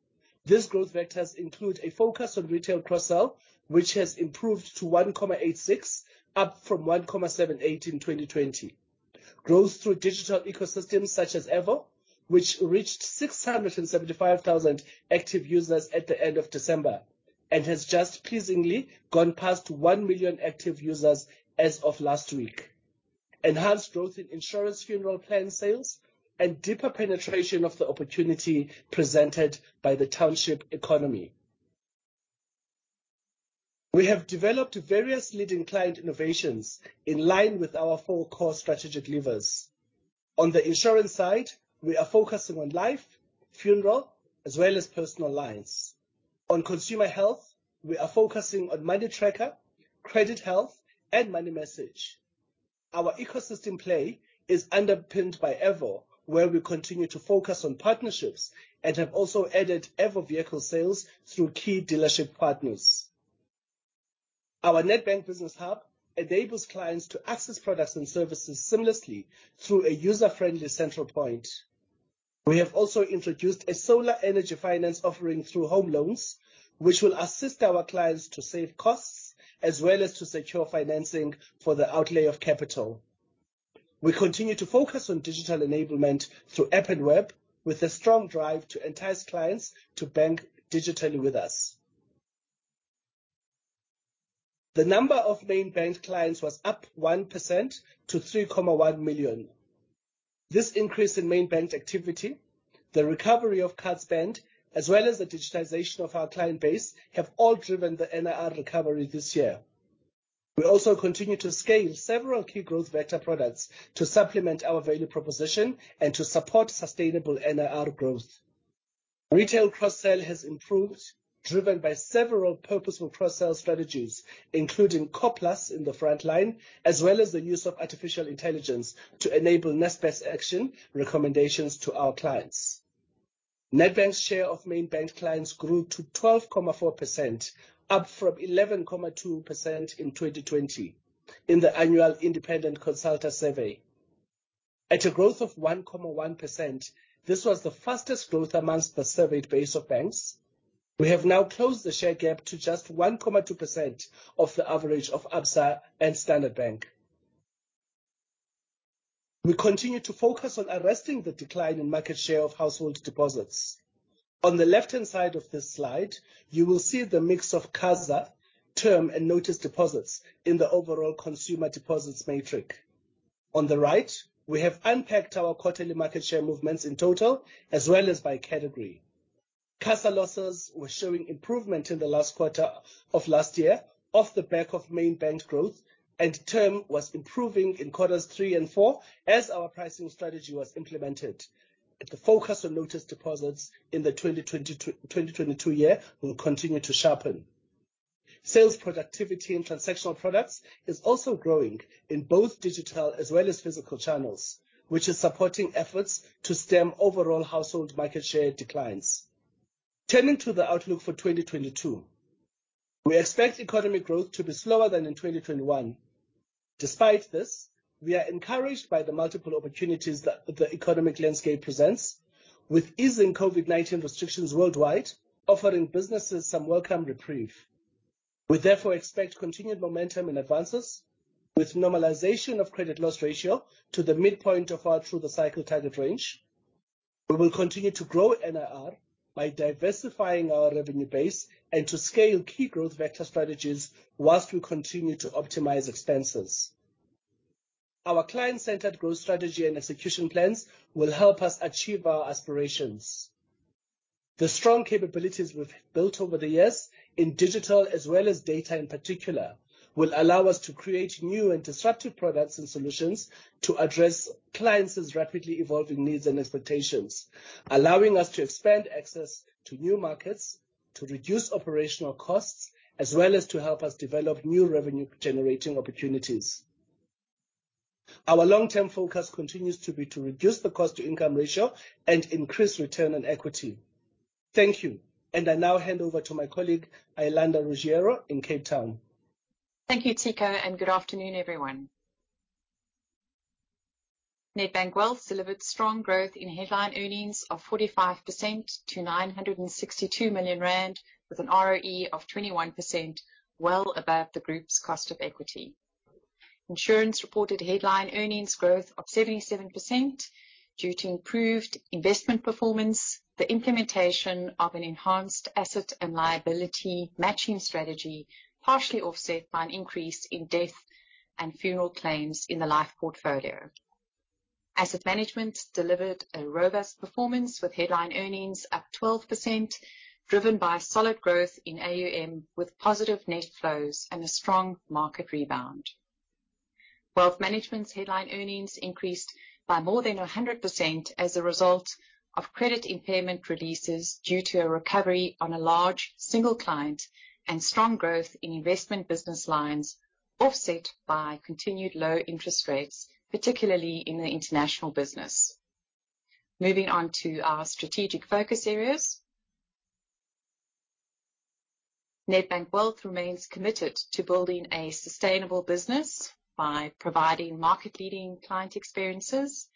These growth vectors include a focus on retail cross-sell, which has improved to 1.86, up from 1.78 in 2020. Growth through digital ecosystems such as Avo, which reached 675,000 active users at the end of December and has just pleasingly gone past 1,000,000 active users as of last week. Enhanced growth in insurance funeral plan sales and deeper penetration of the opportunity presented by the township economy. We have developed various leading client innovations in line with our four core strategic levers. On the insurance side, we are focusing on life, funeral, as well as personal lines. On consumer health, we are focusing on money tracker, credit health, and money message. Our ecosystem play is underpinned by Avo, where we continue to focus on partnerships and have also added Avo Auto vehicle sales through key dealership partners. Our Nedbank Business Hub enables clients to access products and services seamlessly through a user-friendly central point. We have also introduced a solar energy finance offering through home loans, which will assist our clients to save costs as well as to secure financing for the outlay of capital. We continue to focus on digital enablement through app and web, with a strong drive to entice clients to bank digitally with us. The number of main bank clients was up 1% to 3.1 million. This increase in main bank activity, the recovery of card spend, as well as the digitization of our client base, have all driven the NIR recovery this year. We also continue to scale several key growth vector products to supplement our value proposition and to support sustainable NIR growth. Retail cross-sell has improved, driven by several purposeful cross-sell strategies, including Core Plus in the front line, as well as the use of artificial intelligence to enable best action recommendations to our clients. Nedbank's share of main bank clients grew to 12.4%, up from 11.2% in 2020 in the annual independent Consulta survey. At a growth of 1.1%, this was the fastest growth amongst the surveyed base of banks. We have now closed the share gap to just 1.2% of the average of Absa and Standard Bank. We continue to focus on arresting the decline in market share of household deposits. On the left-hand side of this slide, you will see the mix of CASA, term and notice deposits in the overall consumer deposits matrix. On the right, we have unpacked our quarterly market share movements in total as well as by category. CASA losses were showing improvement in the last quarter of last year off the back of main bank growth, and term was improving in quarters three and four as our pricing strategy was implemented. The focus on notice deposits in the 2022 year will continue to sharpen. Sales productivity in transactional products is also growing in both digital as well as physical channels, which is supporting efforts to stem overall household market share declines. Turning to the outlook for 2022. We expect economic growth to be slower than in 2021. Despite this, we are encouraged by the multiple opportunities that the economic landscape presents with easing COVID-19 restrictions worldwide, offering businesses some welcome reprieve. We therefore expect continued momentum in advances with normalization of credit loss ratio to the midpoint of our through-the-cycle target range. We will continue to grow NIR by diversifying our revenue base and to scale key growth vector strategies while we continue to optimize expenses. Our client-centered growth strategy and execution plans will help us achieve our aspirations. The strong capabilities we've built over the years in digital as well as data in particular, will allow us to create new and disruptive products and solutions to address clients' rapidly evolving needs and expectations, allowing us to expand access to new markets, to reduce operational costs, as well as to help us develop new revenue-generating opportunities. Our long-term focus continues to be to reduce the cost-to-income ratio and increase return on equity. Thank you. I now hand over to my colleague, Iolanda Ruggiero, in Cape Town. Thank you, Tiko, and good afternoon, everyone. Nedbank Wealth delivered strong growth in headline earnings of 45% to 962 million rand, with an ROE of 21%, well above the group's cost of equity. Insurance reported headline earnings growth of 77% due to improved investment performance, the implementation of an enhanced asset and liability matching strategy, partially offset by an increase in death and funeral claims in the life portfolio. Asset Management delivered a robust performance with headline earnings up 12%, driven by solid growth in AUM with positive net flows and a strong market rebound. Wealth Management's headline earnings increased by more than 100% as a result of credit impairment releases due to a recovery on a large single client and strong growth in investment business lines, offset by continued low interest rates, particularly in the international business. Moving on to our strategic focus areas. Nedbank Wealth remains committed to building a sustainable business by providing market-leading client experiences,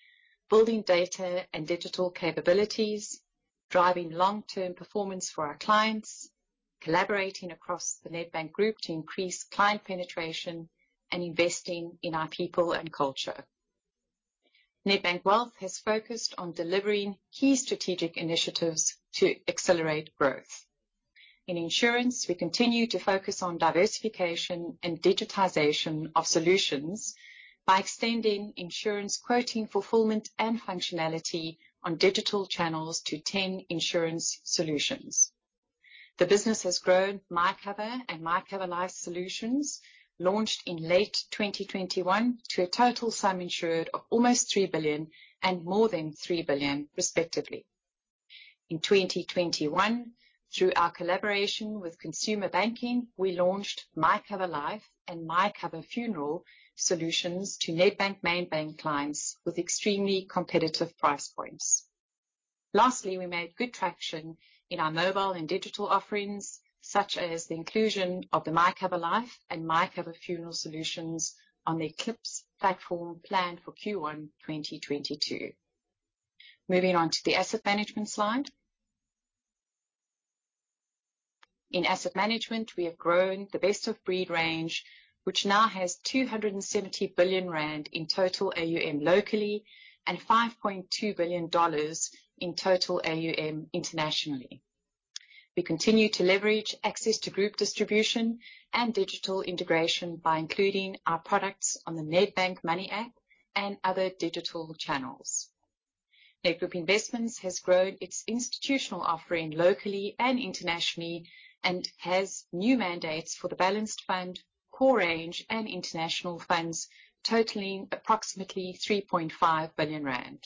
building data and digital capabilities, driving long-term performance for our clients, collaborating across the Nedbank Group to increase client penetration, and investing in our people and culture. Nedbank Wealth has focused on delivering key strategic initiatives to accelerate growth. In insurance, we continue to focus on diversification and digitization of solutions by extending insurance quoting, fulfillment, and functionality on digital channels to 10 insurance solutions. The business has grown MyCover and MyCover Life solutions launched in late 2021 to a total sum insured of almost 3 billion and more than 3 billion, respectively. In 2021, through our collaboration with consumer banking, we launched MyCover Life and MyCover Funeral solutions to Nedbank mainstream bank clients with extremely competitive price points. Lastly, we made good traction in our mobile and digital offerings, such as the inclusion of the MyCover Life and MyCover Funeral solutions on the Eclipse platform planned for Q1 2022. Moving on to the asset management slide. In asset management, we have grown the best of breed range, which now has 270 billion rand in total AUM locally and $5.2 billion in total AUM internationally. We continue to leverage access to group distribution and digital integration by including our products on the Nedbank Money app and other digital channels. Nedgroup Investments has grown its institutional offering locally and internationally, and has new mandates for the balanced fund, core range, and international funds totaling approximately 3.5 billion rand.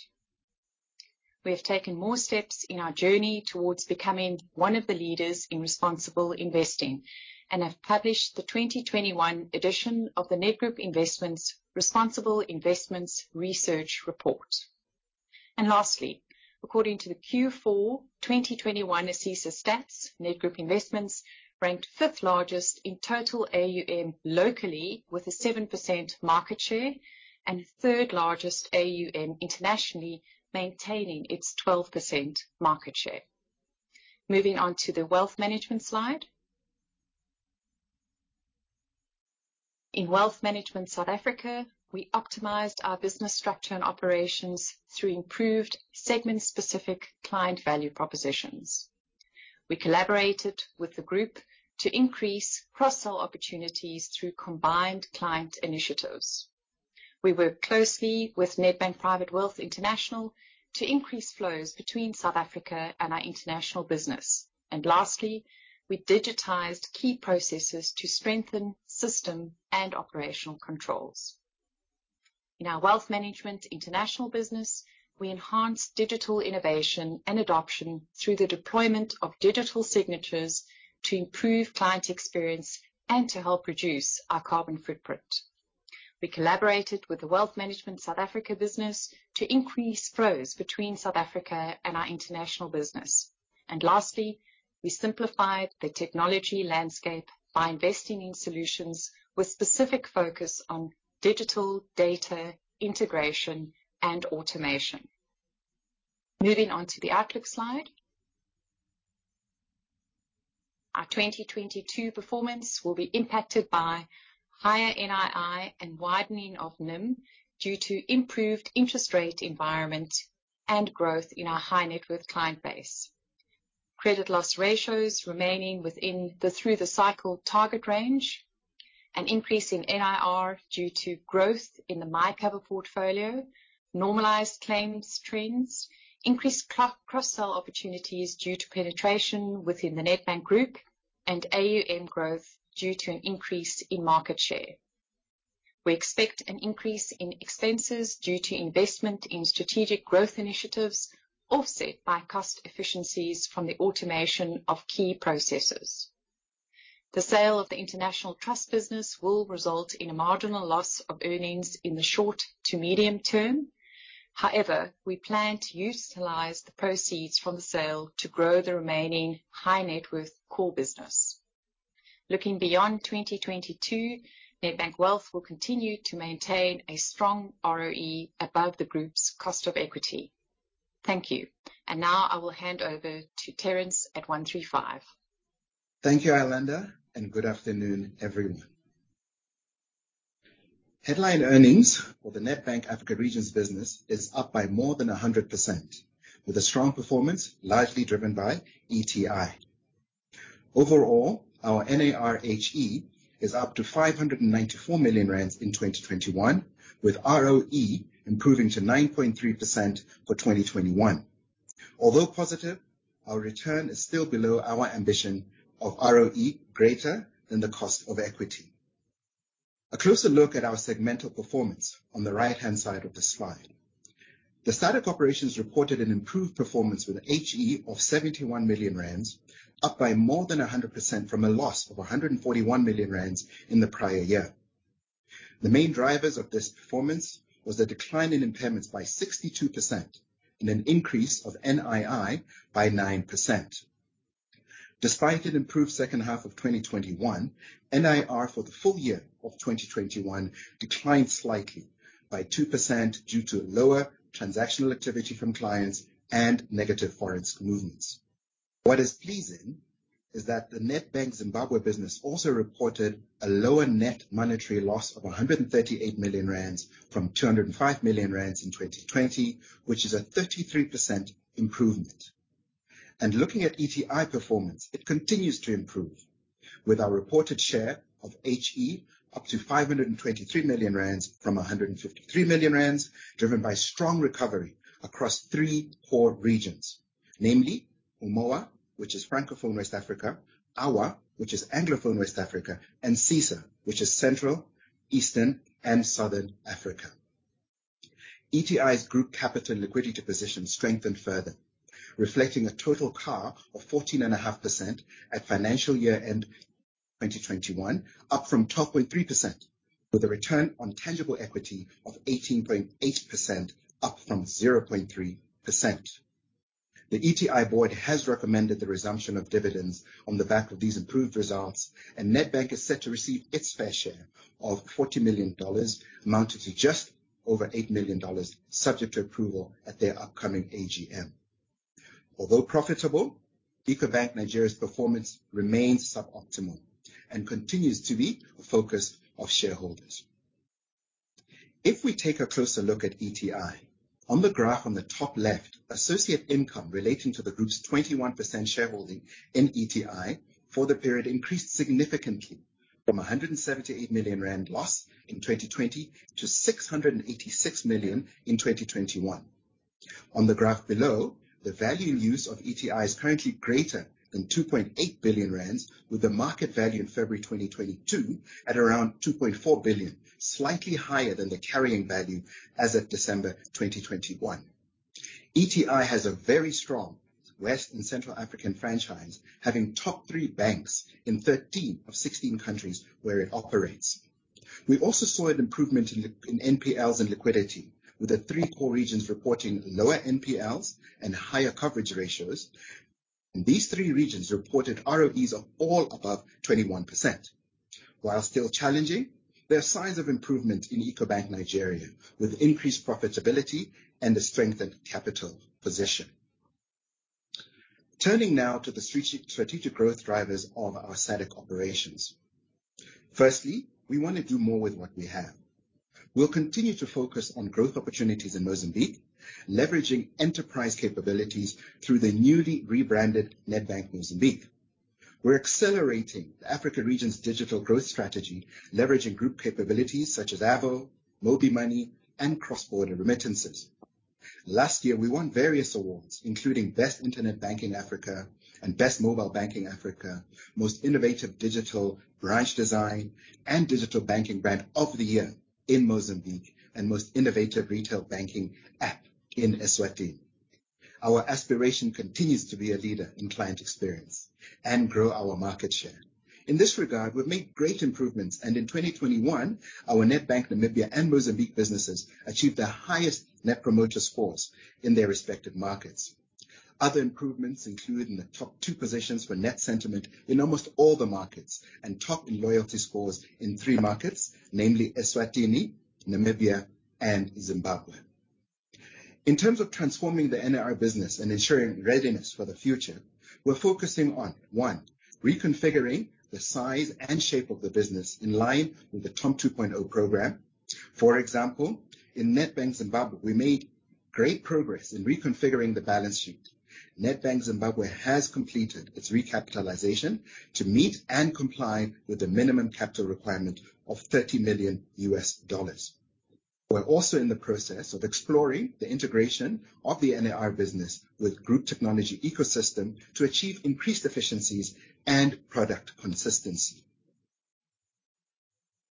We have taken more steps in our journey towards becoming one of the leaders in responsible investing, and have published the 2021 edition of the Nedgroup Investments Responsible Investments Research Report. Lastly, according to the Q4 2021 ASISA Stats, Nedgroup Investments ranked fifth largest in total AUM locally, with a 7% market share, and third largest AUM internationally, maintaining its 12% market share. Moving on to the wealth management slide. In Wealth Management South Africa, we optimized our business structure and operations through improved segment-specific client value propositions. We collaborated with the group to increase cross-sell opportunities through combined client initiatives. We work closely with Nedbank Private Wealth International to increase flows between South Africa and our international business. Lastly, we digitized key processes to strengthen system and operational controls. In our Wealth Management International business, we enhanced digital innovation and adoption through the deployment of digital signatures to improve client experience and to help reduce our carbon footprint. We collaborated with the Wealth Management South Africa business to increase flows between South Africa and our international business. Lastly, we simplified the technology landscape by investing in solutions with specific focus on digital data integration and automation. Moving on to the outlook slide. Our 2022 performance will be impacted by higher NII and widening of NIM due to improved interest rate environment and growth in our high net worth client base. Credit loss ratios remaining within the through the cycle target range. An increase in NIR due to growth in the MyCover portfolio, normalized claims trends, increased cross-sell opportunities due to penetration within the Nedbank Group and AUM growth due to an increase in market share. We expect an increase in expenses due to investment in strategic growth initiatives, offset by cost efficiencies from the automation of key processes. The sale of the international trust business will result in a marginal loss of earnings in the short to medium term. However, we plan to utilize the proceeds from the sale to grow the remaining high net worth core business. Looking beyond 2022, Nedbank Wealth will continue to maintain a strong ROE above the group's cost of equity. Thank you. Now I will hand over to Terence at 135. Thank you, Iolanda, and good afternoon, everyone. Headline earnings for the Nedbank Africa Regions business is up by more than 100%, with a strong performance largely driven by ETI. Overall, our NAR HE is up to 594 million rand in 2021, with ROE improving to 9.3% for 2021. Although positive, our return is still below our ambition of ROE greater than the cost of equity. A closer look at our segmental performance on the right-hand side of the slide. The SADC operations reported an improved performance with HE of 71 million rand, up by more than 100% from a loss of 141 million rand in the prior year. The main drivers of this performance was a decline in impairments by 62% and an increase of NII by 9%. Despite an improved second half of 2021, NIR for the full year of 2021 declined slightly by 2% due to lower transactional activity from clients and negative foreign movements. What is pleasing is that the Nedbank Zimbabwe business also reported a lower net monetary loss of 138 million rand from 205 million rand in 2020, which is a 33% improvement. Looking at ETI performance, it continues to improve. With our reported share of HE up to 523 million rand from 153 million rand, driven by strong recovery across three core regions, namely UEMOA, which is Francophone West Africa, AWA, which is Anglophone West Africa, and CESA, which is Central, Eastern, and Southern Africa. ETI's group capital and liquidity position strengthened further, reflecting a total CAR of 14.5% at financial year-end 2021, up from 12.3%, with a return on tangible equity of 18.8%, up from 0.3%. The ETI board has recommended the resumption of dividends on the back of these improved results, and Nedbank is set to receive its fair share of $40 million, amounting to just over $8 million, subject to approval at their upcoming AGM. Although profitable, Ecobank Nigeria's performance remains suboptimal and continues to be a focus of shareholders. If we take a closer look at ETI, on the graph on the top left, associate income relating to the group's 21% shareholding in ETI for the period increased significantly from a 178 million rand loss in 2020 to 686 million in 2021. On the graph below, the value use of ETI is currently greater than 2.8 billion rand, with the market value in February 2022 at around 2.4 billion, slightly higher than the carrying value as of December 2021. ETI has a very strong West and Central African franchise, having top three banks in 13 of 16 countries where it operates. We also saw an improvement in NPLs and liquidity, with the three core regions reporting lower NPLs and higher coverage ratios. These three regions reported ROEs of all above 21%. While still challenging, there are signs of improvement in Ecobank Nigeria, with increased profitability and a strengthened capital position. Turning now to the strategic growth drivers of our SADC operations. Firstly, we wanna do more with what we have. We'll continue to focus on growth opportunities in Mozambique, leveraging enterprise capabilities through the newly rebranded Nedbank Mozambique. We're accelerating the Africa region's digital growth strategy, leveraging group capabilities such as Avo, MobiMoney, and cross-border remittances. Last year, we won various awards, including Best Internet Bank in Africa and Best Mobile Bank in Africa, Most Innovative Digital Branch Design, and Digital Banking Brand of the Year in Mozambique, and Most Innovative Retail Banking App in Eswatini. Our aspiration continues to be a leader in client experience and grow our market share. In this regard, we've made great improvements, and in 2021, our Nedbank Namibia and Mozambique businesses achieved their highest net promoter scores in their respective markets. Other improvements include in the top two positions for net sentiment in almost all the markets, and top in loyalty scores in three markets, namely Eswatini, Namibia, and Zimbabwe. In terms of transforming the NIR business and ensuring readiness for the future, we're focusing on, one, reconfiguring the size and shape of the business in line with the TOM 2.0 program. For example, in Nedbank Zimbabwe, we made great progress in reconfiguring the balance sheet. Nedbank Zimbabwe has completed its recapitalization to meet and comply with the minimum capital requirement of $30 million. We're also in the process of exploring the integration of the NIR business with group technology ecosystem to achieve increased efficiencies and product consistency.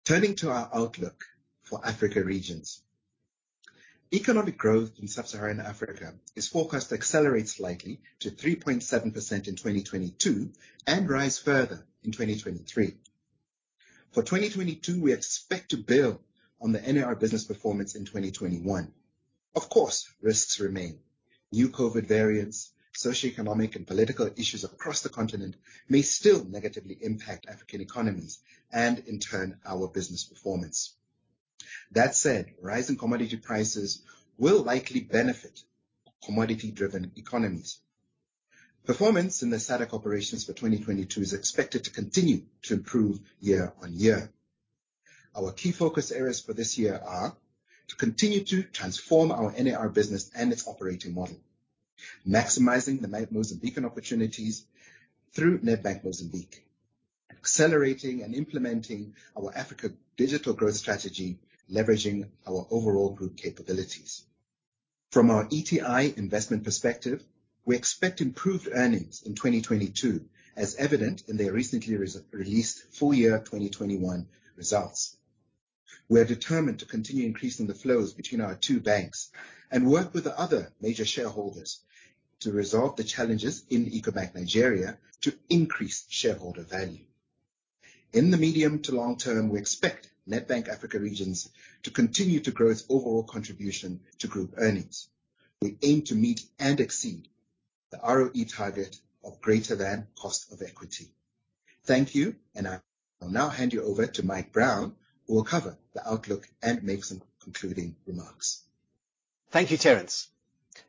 Turning to our outlook for Africa Regions. Economic growth in sub-Saharan Africa is forecast to accelerate slightly to 3.7% in 2022 and rise further in 2023. For 2022, we expect to build on the NIR business performance in 2021. Of course, risks remain. New COVID variants, socioeconomic and political issues across the continent may still negatively impact African economies and in turn, our business performance. That said, rise in commodity prices will likely benefit commodity-driven economies. Performance in the SADC operations for 2022 is expected to continue to improve year-on-year. Our key focus areas for this year are to continue to transform our NIR business and its operating model, maximizing the Mozambican opportunities through Nedbank Mozambique, accelerating and implementing our Africa digital growth strategy, leveraging our overall group capabilities. From our ETI investment perspective, we expect improved earnings in 2022, as evident in their recently released full year 2021 results. We are determined to continue increasing the flows between our two banks and work with the other major shareholders to resolve the challenges in Ecobank Nigeria to increase shareholder value. In the medium to long term, we expect Nedbank Africa Regions to continue to grow its overall contribution to group earnings. We aim to meet and exceed the ROE target of greater than cost of equity. Thank you, and I will now hand you over to Mike Brown, who will cover the outlook and make some concluding remarks. Thank you, Terence.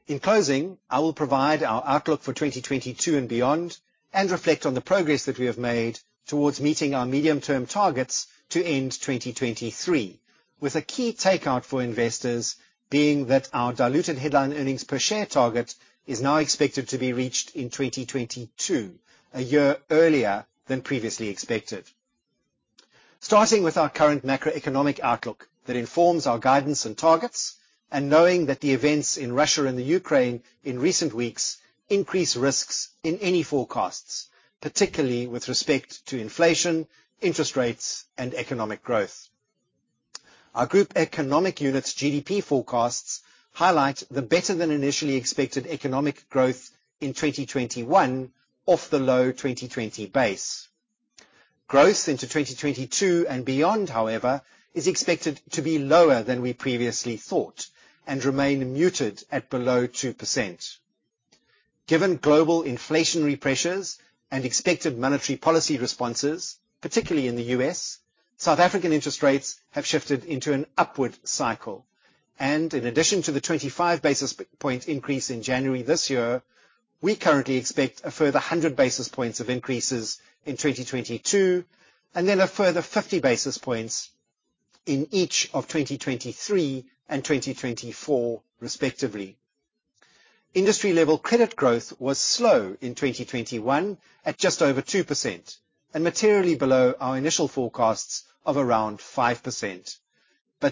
In closing, I will provide our outlook for 2022 and beyond, and reflect on the progress that we have made towards meeting our medium-term targets to end 2023. With a key takeout for investors being that our diluted headline earnings per share target is now expected to be reached in 2022, a year earlier than previously expected. Starting with our current macroeconomic outlook that informs our guidance and targets, and knowing that the events in Russia and the Ukraine in recent weeks increase risks in any forecasts, particularly with respect to inflation, interest rates, and economic growth. Our group economic unit's GDP forecasts highlight the better than initially expected economic growth in 2021 off the low 2020 base. Growth into 2022 and beyond, however, is expected to be lower than we previously thought and remain muted at below 2%. Given global inflationary pressures and expected monetary policy responses, particularly in the U.S., South African interest rates have shifted into an upward cycle. In addition to the 25 basis point increase in January this year, we currently expect a further 100 basis points of increases in 2022, and then a further 50 basis points in each of 2023 and 2024, respectively. Industry-level credit growth was slow in 2021 at just over 2% and materially below our initial forecasts of around 5%.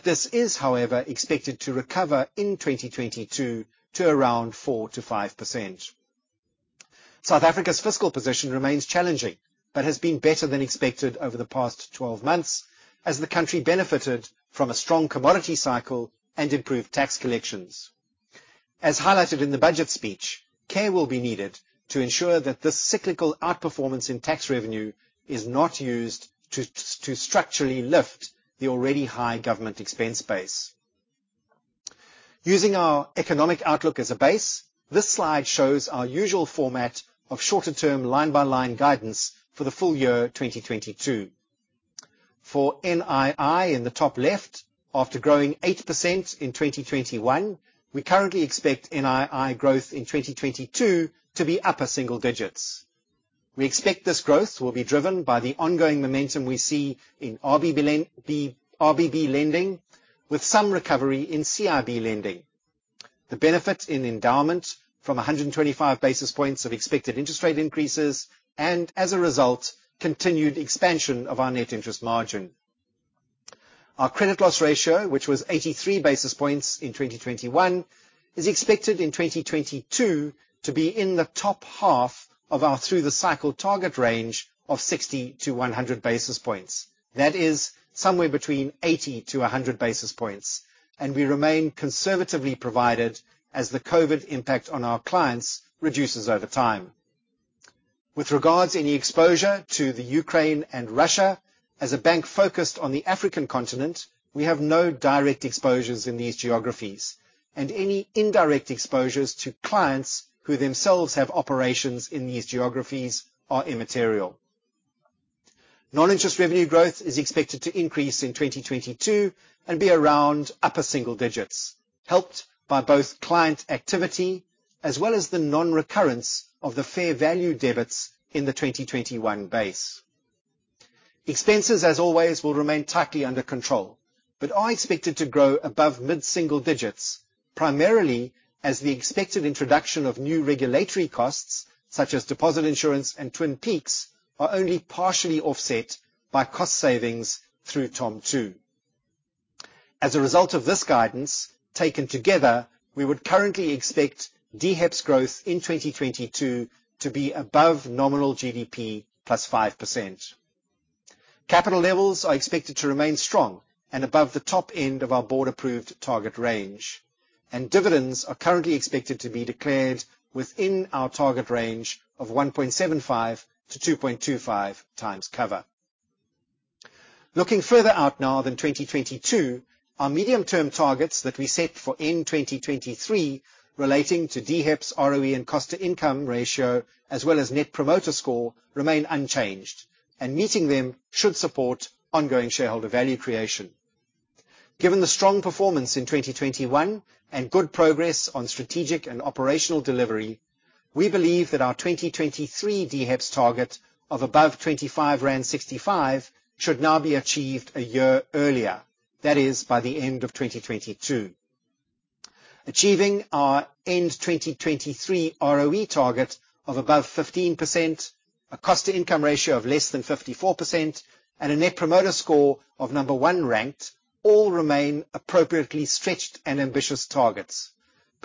This is, however, expected to recover in 2022 to around 4%-5%. South Africa's fiscal position remains challenging but has been better than expected over the past twelve months as the country benefited from a strong commodity cycle and improved tax collections. As highlighted in the budget speech, care will be needed to ensure that this cyclical outperformance in tax revenue is not used to structurally lift the already high government expense base. Using our economic outlook as a base, this slide shows our usual format of shorter-term line-by-line guidance for the full year 2022. For NII in the top left, after growing 8% in 2021, we currently expect NII growth in 2022 to be upper single digits. We expect this growth will be driven by the ongoing momentum we see in RBB lending, with some recovery in CIB lending. The benefit in endowment from 125 basis points of expected interest rate increases, and as a result, continued expansion of our net interest margin. Our credit loss ratio, which was 83 basis points in 2021, is expected in 2022 to be in the top half of our through the cycle target range of 60-100 basis points. That is somewhere between 80-100 basis points, and we remain conservatively provisioned as the COVID impact on our clients reduces over time. With regards any exposure to the Ukraine and Russia, as a bank focused on the African continent, we have no direct exposures in these geographies, and any indirect exposures to clients who themselves have operations in these geographies are immaterial. Non-interest revenue growth is expected to increase in 2022 and be around upper single digits. Helped by both client activity as well as the non-recurrence of the fair value debits in the 2021 base. Expenses, as always, will remain tightly under control, but are expected to grow above mid-single digits, primarily as the expected introduction of new regulatory costs, such as deposit insurance and Twin Peaks, are only partially offset by cost savings through TOM 2. As a result of this guidance, taken together, we would currently expect DHEPS growth in 2022 to be above nominal GDP + 5%. Capital levels are expected to remain strong and above the top end of our board-approved target range. Dividends are currently expected to be declared within our target range of 1.75x-2.25x cover. Looking further out now than 2022, our medium-term targets that we set for end 2023 relating to DHEPS, ROE and cost-to-income ratio, as well as Net Promoter Score, remain unchanged, and meeting them should support ongoing shareholder value creation. Given the strong performance in 2021 and good progress on strategic and operational delivery, we believe that our 2023 DHEPS target of above 25.65 rand should now be achieved a year earlier. That is, by the end of 2022. Achieving our end 2023 ROE target of above 15%, a cost-to-income ratio of less than 54%, and a Net Promoter Score of No. 1 ranked all remain appropriately stretched and ambitious targets.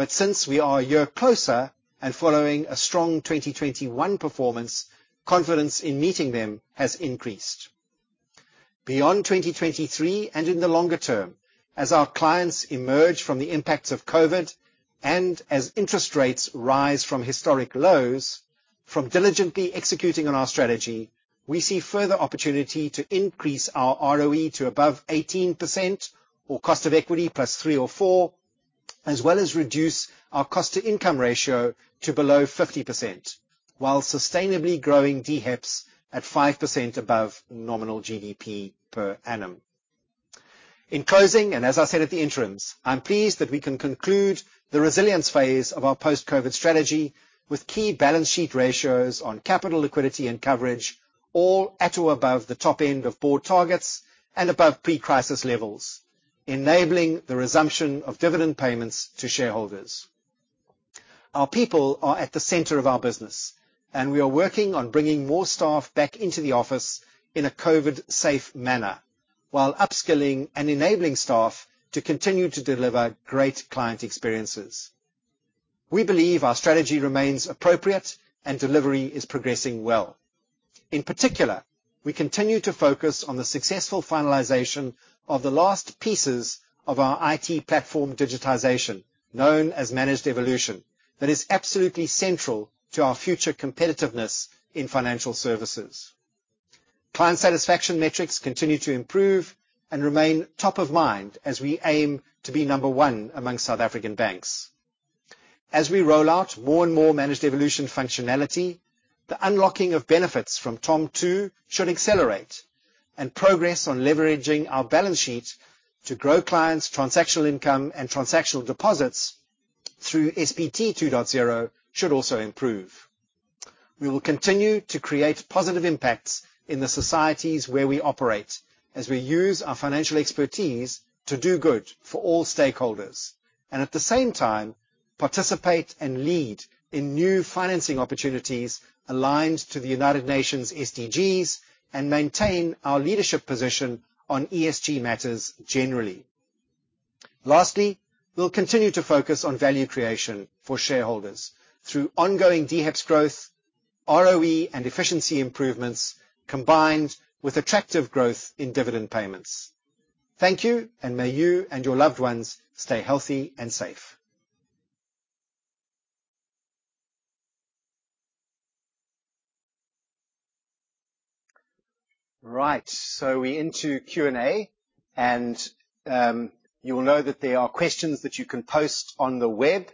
Since we are a year closer and following a strong 2021 performance, confidence in meeting them has increased. Beyond 2023 and in the longer term, as our clients emerge from the impacts of COVID and as interest rates rise from historic lows, from diligently executing on our strategy, we see further opportunity to increase our ROE to above 18% or cost of equity +3% or 4%, as well as reduce our cost-to-income ratio to below 50% while sustainably growing DHEPS at 5% above nominal GDP per annum. In closing, as I said at the interim, I'm pleased that we can conclude the resilience phase of our post-COVID strategy with key balance sheet ratios on capital liquidity and coverage, all at or above the top end of board targets and above pre-crisis levels, enabling the resumption of dividend payments to shareholders. Our people are at the center of our business, and we are working on bringing more staff back into the office in a COVID-safe manner, while upskilling and enabling staff to continue to deliver great client experiences. We believe our strategy remains appropriate and delivery is progressing well. In particular, we continue to focus on the successful finalization of the last pieces of our IT platform digitization, known as Managed Evolution, that is absolutely central to our future competitiveness in financial services. Client satisfaction metrics continue to improve and remain top of mind as we aim to be number one among South African banks. As we roll out more and more Managed Evolution functionality, the unlocking of benefits from TOM 2 should accelerate, and progress on leveraging our balance sheet to grow clients' transactional income and transactional deposits through SPT 2.0 should also improve. We will continue to create positive impacts in the societies where we operate as we use our financial expertise to do good for all stakeholders. At the same time, participate and lead in new financing opportunities aligned to the United Nations SDGs and maintain our leadership position on ESG matters generally. Lastly, we'll continue to focus on value creation for shareholders through ongoing DHEPS growth, ROE, and efficiency improvements, combined with attractive growth in dividend payments. Thank you, and may you and your loved ones stay healthy and safe. Right. We're into Q&A. You will know that there are questions that you can post on the web.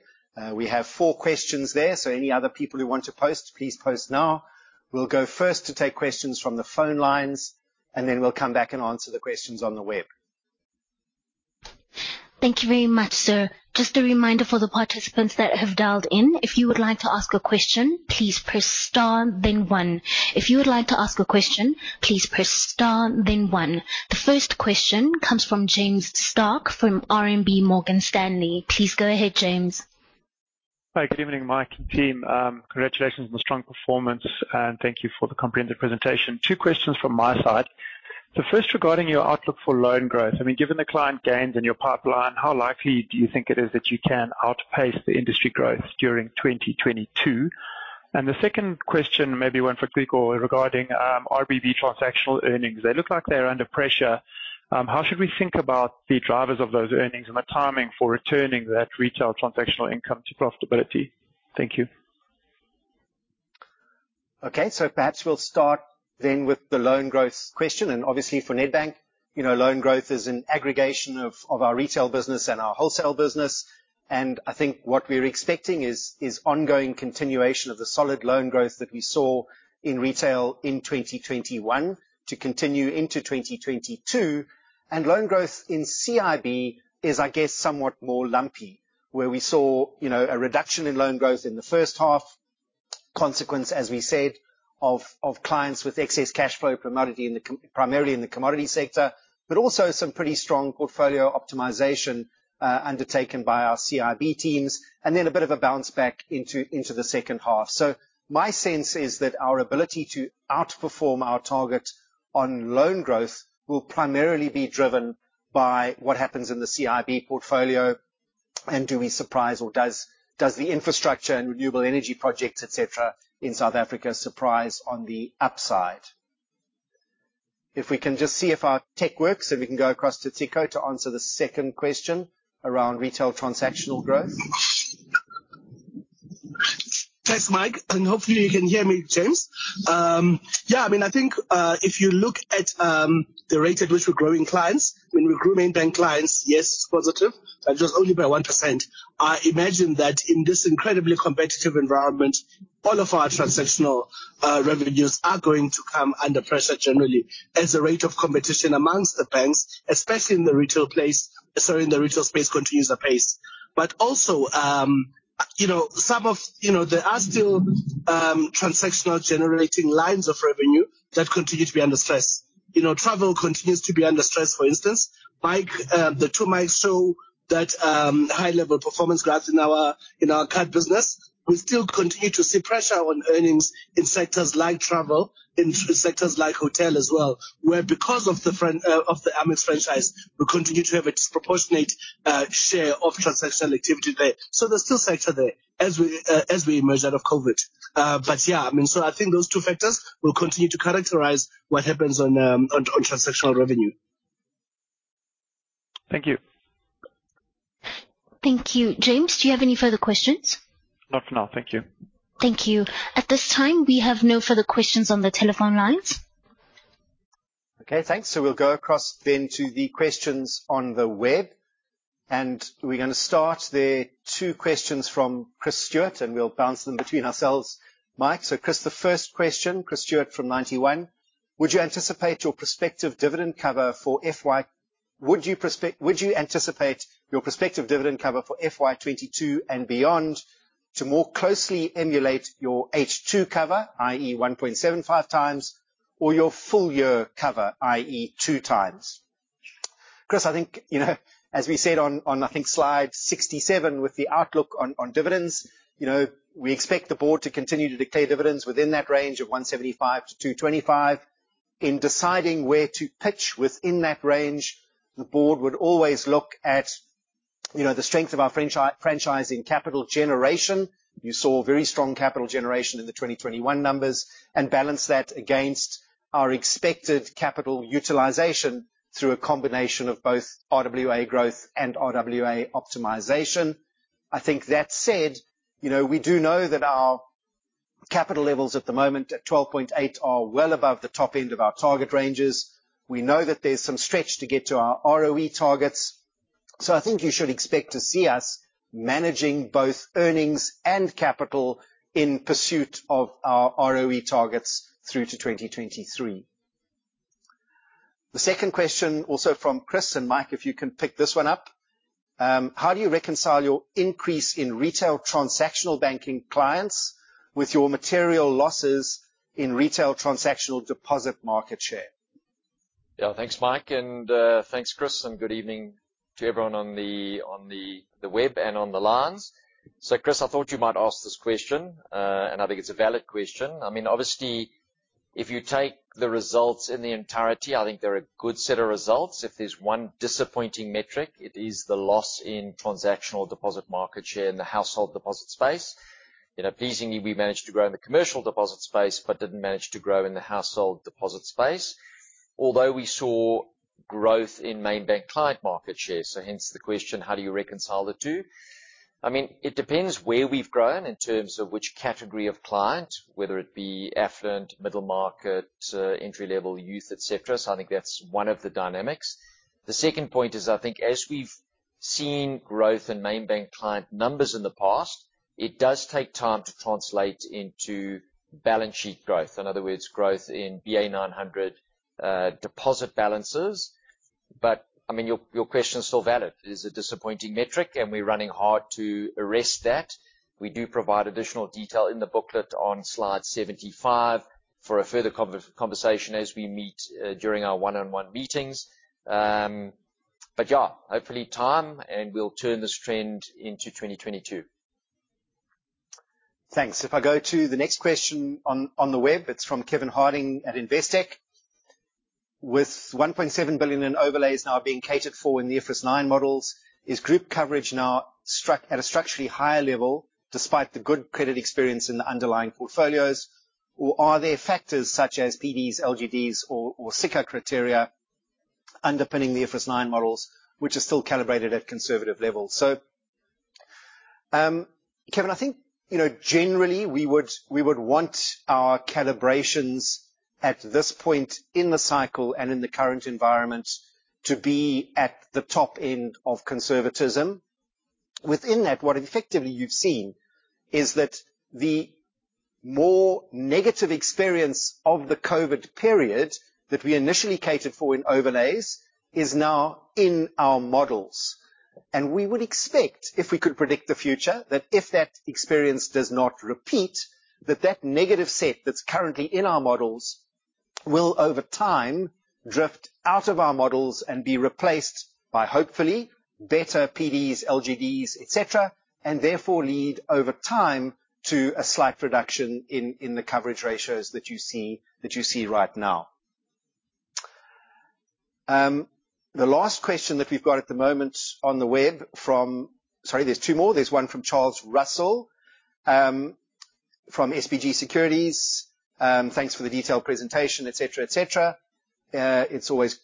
We have four questions there, so any other people who want to post, please post now. We'll go first to take questions from the phone lines, and then we'll come back and answer the questions on the web. Thank you very much, sir. Just a reminder for the participants that have dialed in. If you would like to ask a question, please press star then one. The first question comes from James Starke from RMB Morgan Stanley. Please go ahead, James. Hi. Good evening, Mike and team. Congratulations on the strong performance and thank you for the comprehensive presentation. 2 questions from my side. The first regarding your outlook for loan growth. I mean, given the client gains in your pipeline, how likely do you think it is that you can outpace the industry growth during 2022? The second question, maybe one for Ciko, regarding RBB transactional earnings. They look like they're under pressure. How should we think about the drivers of those earnings and the timing for returning that retail transactional income to profitability? Thank you. Okay. Perhaps we'll start then with the loan growth question. Obviously for Nedbank, you know, loan growth is an aggregation of our retail business and our wholesale business. I think what we're expecting is ongoing continuation of the solid loan growth that we saw in retail in 2021 to continue into 2022. Loan growth in CIB is, I guess, somewhat more lumpy, where we saw, you know, a reduction in loan growth in the first half. Consequence, as we said, of clients with excess cash from commodities primarily in the commodity sector. Also some pretty strong portfolio optimization undertaken by our CIB teams, and then a bit of a bounce back into the second half. My sense is that our ability to outperform our target on loan growth will primarily be driven by what happens in the CIB portfolio, and do we surprise or does the infrastructure and renewable energy projects, et cetera, in South Africa surprise on the upside. If we can just see if our tech works, and we can go across to Ciko to answer the second question around retail transactional growth. Thanks, Mike, and hopefully you can hear me, James. Yeah, I mean, I think if you look at the rate at which we're growing clients, when we grew Main Bank clients, yes, positive, but just only by 1%. I imagine that in this incredibly competitive environment, all of our transactional revenues are going to come under pressure generally as the rate of competition amongst the banks, especially in the retail space, continues apace. Also, you know, there are still transactional generating lines of revenue that continue to be under stress. You know, travel continues to be under stress, for instance. Mike, the two Mikes show that high-level performance graphs in our card business. We still continue to see pressure on earnings in sectors like travel, in sectors like hotel as well, where because of the Amex franchise, we continue to have a disproportionate share of transactional activity there. There's still sector there as we emerge out of COVID. But yeah, I mean, I think those two factors will continue to characterize what happens on transactional revenue. Thank you. Thank you. James, do you have any further questions? Not for now. Thank you. Thank you. At this time, we have no further questions on the telephone lines. Okay, thanks. We'll go across then to the questions on the web, and we're gonna start there. Two questions from Chris Stewart, and we'll bounce them between ourselves, Mike. Chris, the first question. Chris Stewart from Ninety One. Would you anticipate your prospective dividend cover for FY 2022 and beyond to more closely emulate your H2 cover, i.e., 1.75x, or your full year cover, i.e., 2x? Chris, I think, you know, as we said on, I think slide 67 with the outlook on dividends, you know, we expect the board to continue to declare dividends within that range of 1.75x-2.25x. In deciding where to pitch within that range, the board would always look at, you know, the strength of our franchise in capital generation. You saw very strong capital generation in the 2021 numbers. Balance that against our expected capital utilization through a combination of both RWA growth and RWA optimization. I think that said, you know, we do know that our capital levels at the moment at 12.8 are well above the top end of our target ranges. We know that there's some stretch to get to our ROE targets. I think you should expect to see us managing both earnings and capital in pursuit of our ROE targets through to 2023. The second question, also from Chris, and Mike, if you can pick this one up. How do you reconcile your increase in retail transactional banking clients with your material losses in retail transactional deposit market share? Yeah. Thanks, Mike, and thanks Chris, and good evening to everyone on the web and on the lines. Chris, I thought you might ask this question, and I think it's a valid question. I mean, obviously, if you take the results in the entirety, I think they're a good set of results. If there's one disappointing metric, it is the loss in transactional deposit market share in the household deposit space. You know, pleasingly, we managed to grow in the commercial deposit space but didn't manage to grow in the household deposit space. Although we saw growth in Main Bank client market share, hence the question, how do you reconcile the two? I mean, it depends where we've grown in terms of which category of client, whether it be affluent, middle market, entry-level youth, et cetera. I think that's one of the dynamics. The second point is, I think as we've seen growth in Main Bank client numbers in the past, it does take time to translate into balance sheet growth. In other words, growth in BA900 deposit balances. I mean, your question is still valid. It is a disappointing metric, and we're running hard to arrest that. We do provide additional detail in the booklet on slide 75 for a further conversation as we meet during our one-on-one meetings. Yeah, hopefully time, and we'll turn this trend into 2022. Thanks. If I go to the next question on the web. It's from Kevin Harding at Investec. With 1.7 billion in overlays now being catered for in the IFRS 9 models, is group coverage now at a structurally higher level despite the good credit experience in the underlying portfolios? Or are there factors such as PDs, LGDs, or SICR criteria underpinning the IFRS 9 models, which are still calibrated at conservative levels? Kevin, I think, you know, generally, we would want our calibrations at this point in the cycle and in the current environment to be at the top end of conservatism. Within that, what effectively you've seen is that the more negative experience of the COVID period that we initially catered for in overlays is now in our models. We would expect, if we could predict the future, that if that experience does not repeat, that negative set that's currently in our models will, over time, drift out of our models and be replaced by, hopefully, better PDs, LGDs, et cetera, and therefore, lead over time to a slight reduction in the coverage ratios that you see right now. The last question that we've got at the moment on the web from. Sorry, there's two more. There's one from Charles Russell from SBG Securities. "Thanks for the detailed presentation, et cetera, et cetera. It's always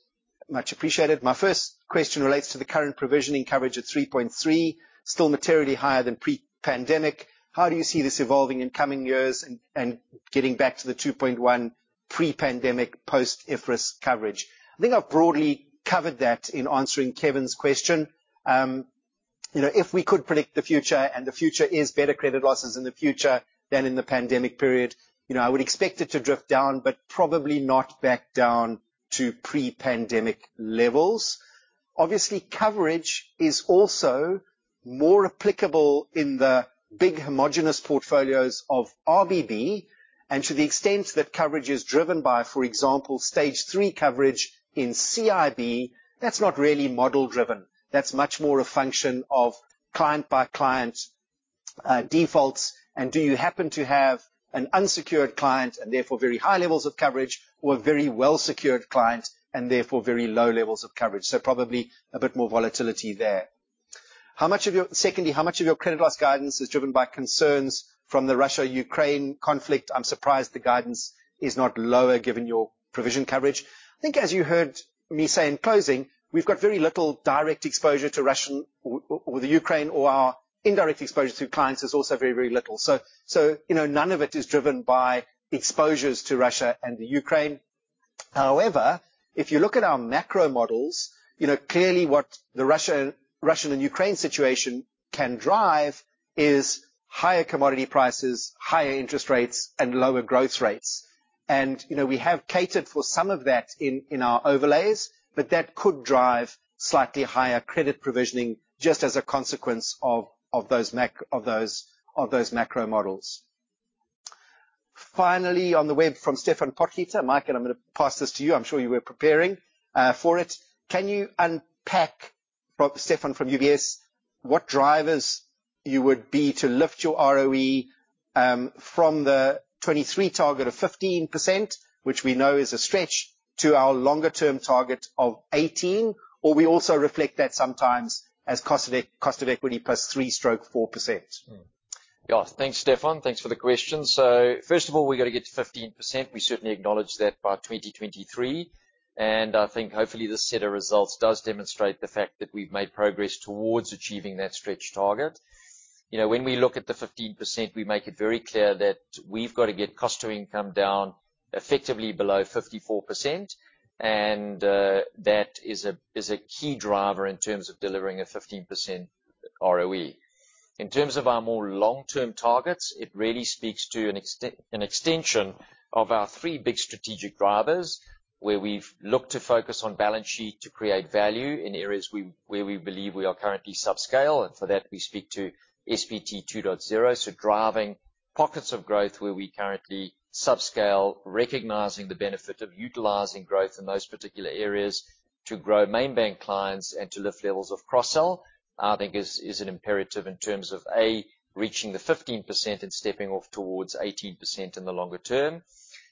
much appreciated. My first question relates to the current provisioning coverage at 3.3, still materially higher than pre-pandemic. How do you see this evolving in coming years and getting back to the 2.1 pre-pandemic post-IFRS coverage? I think I've broadly covered that in answering Kevin's question. You know, if we could predict the future, and the future is better credit losses in the future than in the pandemic period, you know, I would expect it to drift down, but probably not back down to pre-pandemic levels. Obviously, coverage is also more applicable in the big homogenous portfolios of RBB. To the extent that coverage is driven by, for example, stage three coverage in CIB, that's not really model-driven. That's much more a function of client-by-client defaults. Do you happen to have an unsecured client and therefore very high levels of coverage or a very well-secured client and therefore very low levels of coverage? Probably a bit more volatility there. Secondly, how much of your credit loss guidance is driven by concerns from the Russia-Ukraine conflict? I'm surprised the guidance is not lower given your provision coverage. I think as you heard me say in closing, we've got very little direct exposure to Russian or the Ukraine, or our indirect exposure to clients is also very, very little. So, you know, none of it is driven by exposures to Russia and the Ukraine. However, if you look at our macro models, you know, clearly what the Russia and Ukraine situation can drive is higher commodity prices, higher interest rates, and lower growth rates. You know, we have catered for some of that in our overlays, but that could drive slightly higher credit provisioning just as a consequence of those macro models. Finally, on the web from Stephan Potgieter. Mike, and I'm gonna pass this to you. I'm sure you were preparing for it. Can you unpack, from Stefan from UBS, what drivers you would be to lift your ROE from the 2023 target of 15%, which we know is a stretch, to our longer-term target of 18? Or we also reflect that sometimes as cost of equity +3%-4%. Yeah. Thanks, Stefan. Thanks for the question. First of all, we gotta get to 15%. We certainly acknowledge that by 2023. I think hopefully this set of results does demonstrate the fact that we've made progress towards achieving that stretch target. You know, when we look at the 15%, we make it very clear that we've got to get cost to income down effectively below 54%. That is a key driver in terms of delivering a 15% ROE. In terms of our more long-term targets, it really speaks to an extension of our three big strategic drivers, where we've looked to focus on balance sheet to create value in areas where we believe we are currently subscale. For that, we speak to SPT 2.0. Driving pockets of growth where we currently subscale, recognizing the benefit of utilizing growth in those particular areas to grow main bank clients and to lift levels of cross-sell, I think is an imperative in terms of A, reaching the 15% and stepping off towards 18% in the longer term.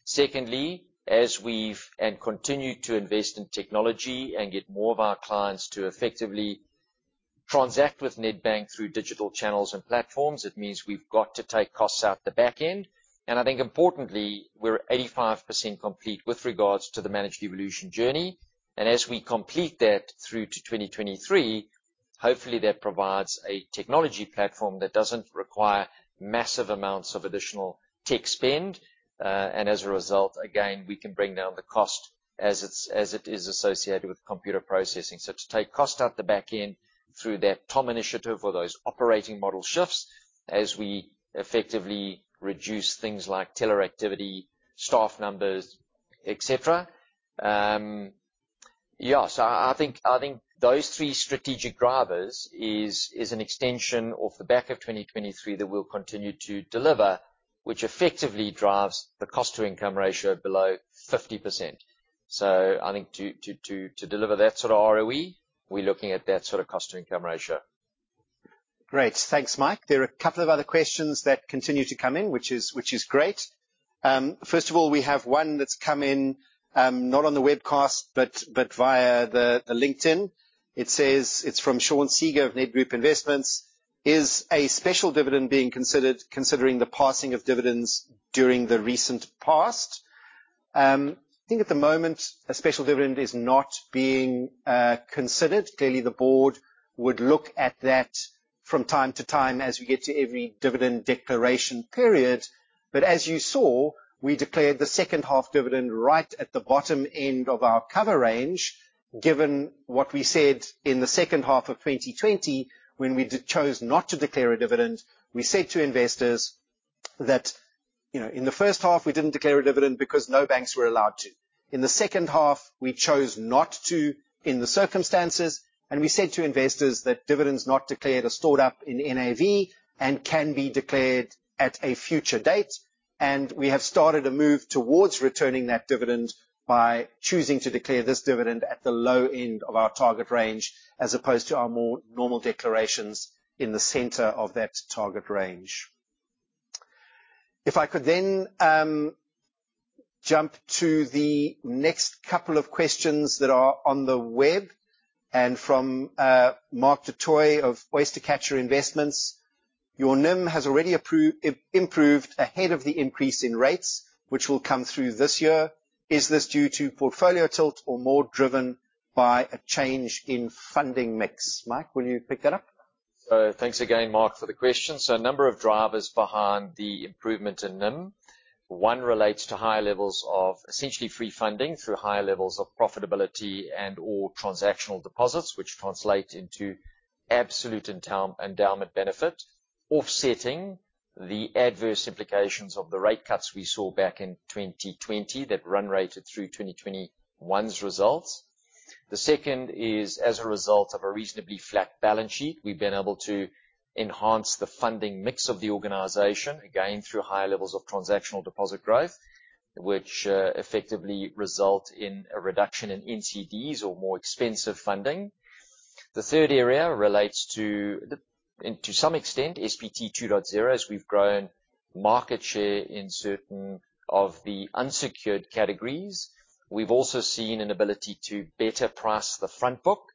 Secondly, as we have and continue to invest in technology and get more of our clients to effectively transact with Nedbank through digital channels and platforms, it means we've got to take costs out the back end. I think importantly, we're 85% complete with regards to the Managed Evolution journey. As we complete that through to 2023, hopefully that provides a technology platform that doesn't require massive amounts of additional tech spend. As a result, again, we can bring down the cost as it is associated with computer processing. To take cost out the back end through that TOM initiative or those operating model shifts, as we effectively reduce things like teller activity, staff numbers, et cetera. I think those three strategic drivers is an extension off the back of 2023 that we'll continue to deliver, which effectively drives the cost to income ratio below 50%. I think to deliver that sort of ROE, we're looking at that sort of cost to income ratio. Great. Thanks, Mike. There are a couple of other questions that continue to come in, which is great. First of all, we have one that's come in, not on the webcast but via the LinkedIn. It says. It's from Sean Seger of Nedgroup Investments. Is a special dividend being considered considering the passing of dividends during the recent past? I think at the moment, a special dividend is not being considered. Clearly, the board would look at that from time to time as we get to every dividend declaration period. As you saw, we declared the second half dividend right at the bottom end of our cover range. Given what we said in the second half of 2020 when we chose not to declare a dividend, we said to investors that, you know, in the first half, we didn't declare a dividend because no banks were allowed to. In the second half, we chose not to in the circumstances, and we said to investors that dividends not declared are stored up in NAV and can be declared at a future date. We have started a move towards returning that dividend by choosing to declare this dividend at the low end of our target range, as opposed to our more normal declarations in the center of that target range. If I could then jump to the next couple of questions that are on the web and from Mark du Toit of OysterCatcher Investments. Your NIM has already improved ahead of the increase in rates, which will come through this year. Is this due to Portfolio Tilt or more driven by a change in funding mix? Mike, will you pick that up? Thanks again, Mark, for the question. A number of drivers behind the improvement in NIM. One relates to higher levels of essentially free funding through higher levels of profitability and/or transactional deposits, which translate into absolute endowment benefit, offsetting the adverse implications of the rate cuts we saw back in 2020 that run-rated through 2021's results. The second is, as a result of a reasonably flat balance sheet, we've been able to enhance the funding mix of the organization, again, through higher levels of transactional deposit growth, which effectively result in a reduction in NCDs or more expensive funding. The third area relates to, and to some extent, SPT 2.0 as we've grown market share in certain of the unsecured categories. We've also seen an ability to better price the front book,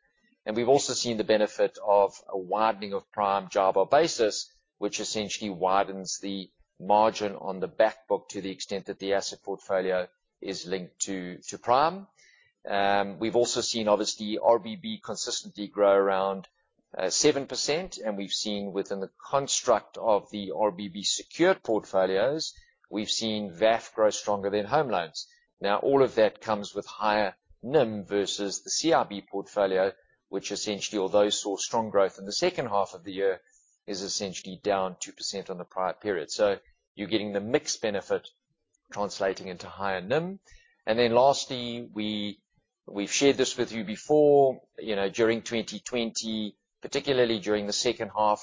and we've also seen the benefit of a widening of Prime JIBAR basis, which essentially widens the margin on the back book to the extent that the asset portfolio is linked to Prime. We've also seen, obviously, RBB consistently grow around 7%, and we've seen within the construct of the RBB secured portfolios, we've seen VAF grow stronger than home loans. Now, all of that comes with higher NIM versus the CRB portfolio, which essentially, although saw strong growth in the second half of the year, is essentially down 2% on the prior period. You're getting the mixed benefit translating into higher NIM. Lastly, we've shared this with you before. You know, during 2020, particularly during the second half,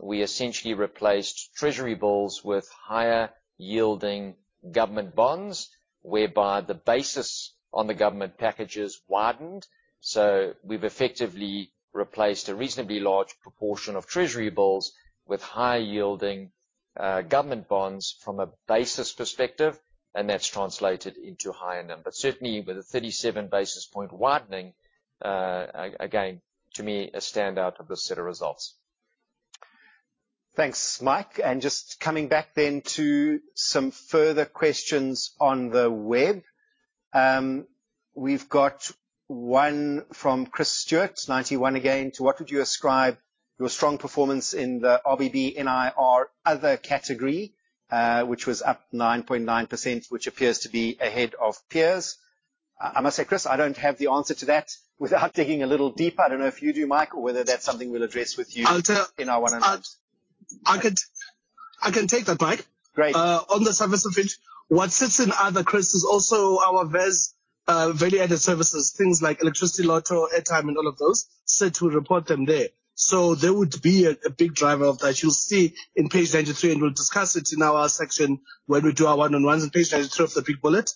we essentially replaced treasury bills with higher yielding government bonds, whereby the basis on the government bonds widened. We've effectively replaced a reasonably large proportion of treasury bills with high yielding government bonds from a basis perspective, and that's translated into higher NIM. Certainly, with a 37 basis point widening, again, to me, a standout of this set of results. Thanks, Mike. Just coming back then to some further questions on the web. We've got one from Chris Stewart. Ninety One again. To what would you ascribe your strong performance in the RBB NIR other category, which was up 9.9%, which appears to be ahead of peers. I must say, Chris, I don't have the answer to that without digging a little deeper. I don't know if you do, Mike, or whether that's something we'll address with you. I'll tell- In our one-on-ones. I can take that, Mike. Great. On the surface of it, what sits in other, Chris, is also our VAS, value-added services. Things like electricity, lotto, airtime, and all of those, so to report them there. There would be a big driver of that. You'll see in page 93, and we'll discuss it in our section when we do our one-on-ones. On page 93 of the big booklet.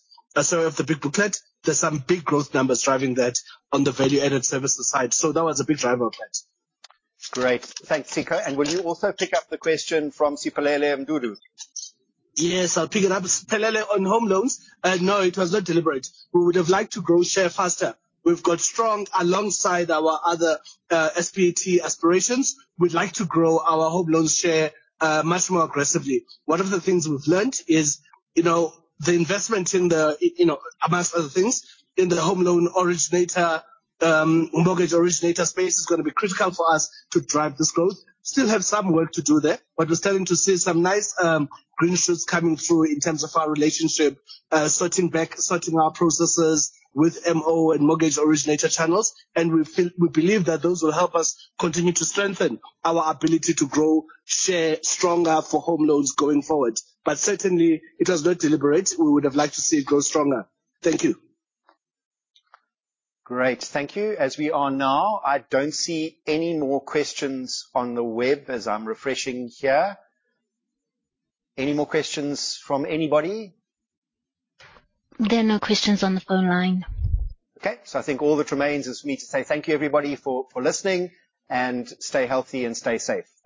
There's some big growth numbers driving that on the value-added services side. That was a big driver of that. Great. Thanks, Ciko. Will you also pick up the question from Siphelele Mdudu? Yes, I'll pick it up. Siphelele, on home loans, no, it was not deliberate. We would have liked to grow share faster. We've got strong, alongside our other, SPT aspirations. We'd like to grow our home loans share, much more aggressively. One of the things we've learned is, you know, the investment in the, you know, amongst other things, in the home loan originator, mortgage originator space is gonna be critical for us to drive this growth. Still have some work to do there, but we're starting to see some nice, green shoots coming through in terms of our relationship, sorting our processes with MO and mortgage originator channels. We feel, we believe that those will help us continue to strengthen our ability to grow share stronger for home loans going forward. Certainly, it was not deliberate. We would have liked to see it grow stronger. Thank you. Great. Thank you. As we are now, I don't see any more questions on the web as I'm refreshing here. Any more questions from anybody? There are no questions on the phone line. Okay. I think all that remains is for me to say thank you, everybody, for listening, and stay healthy and stay safe.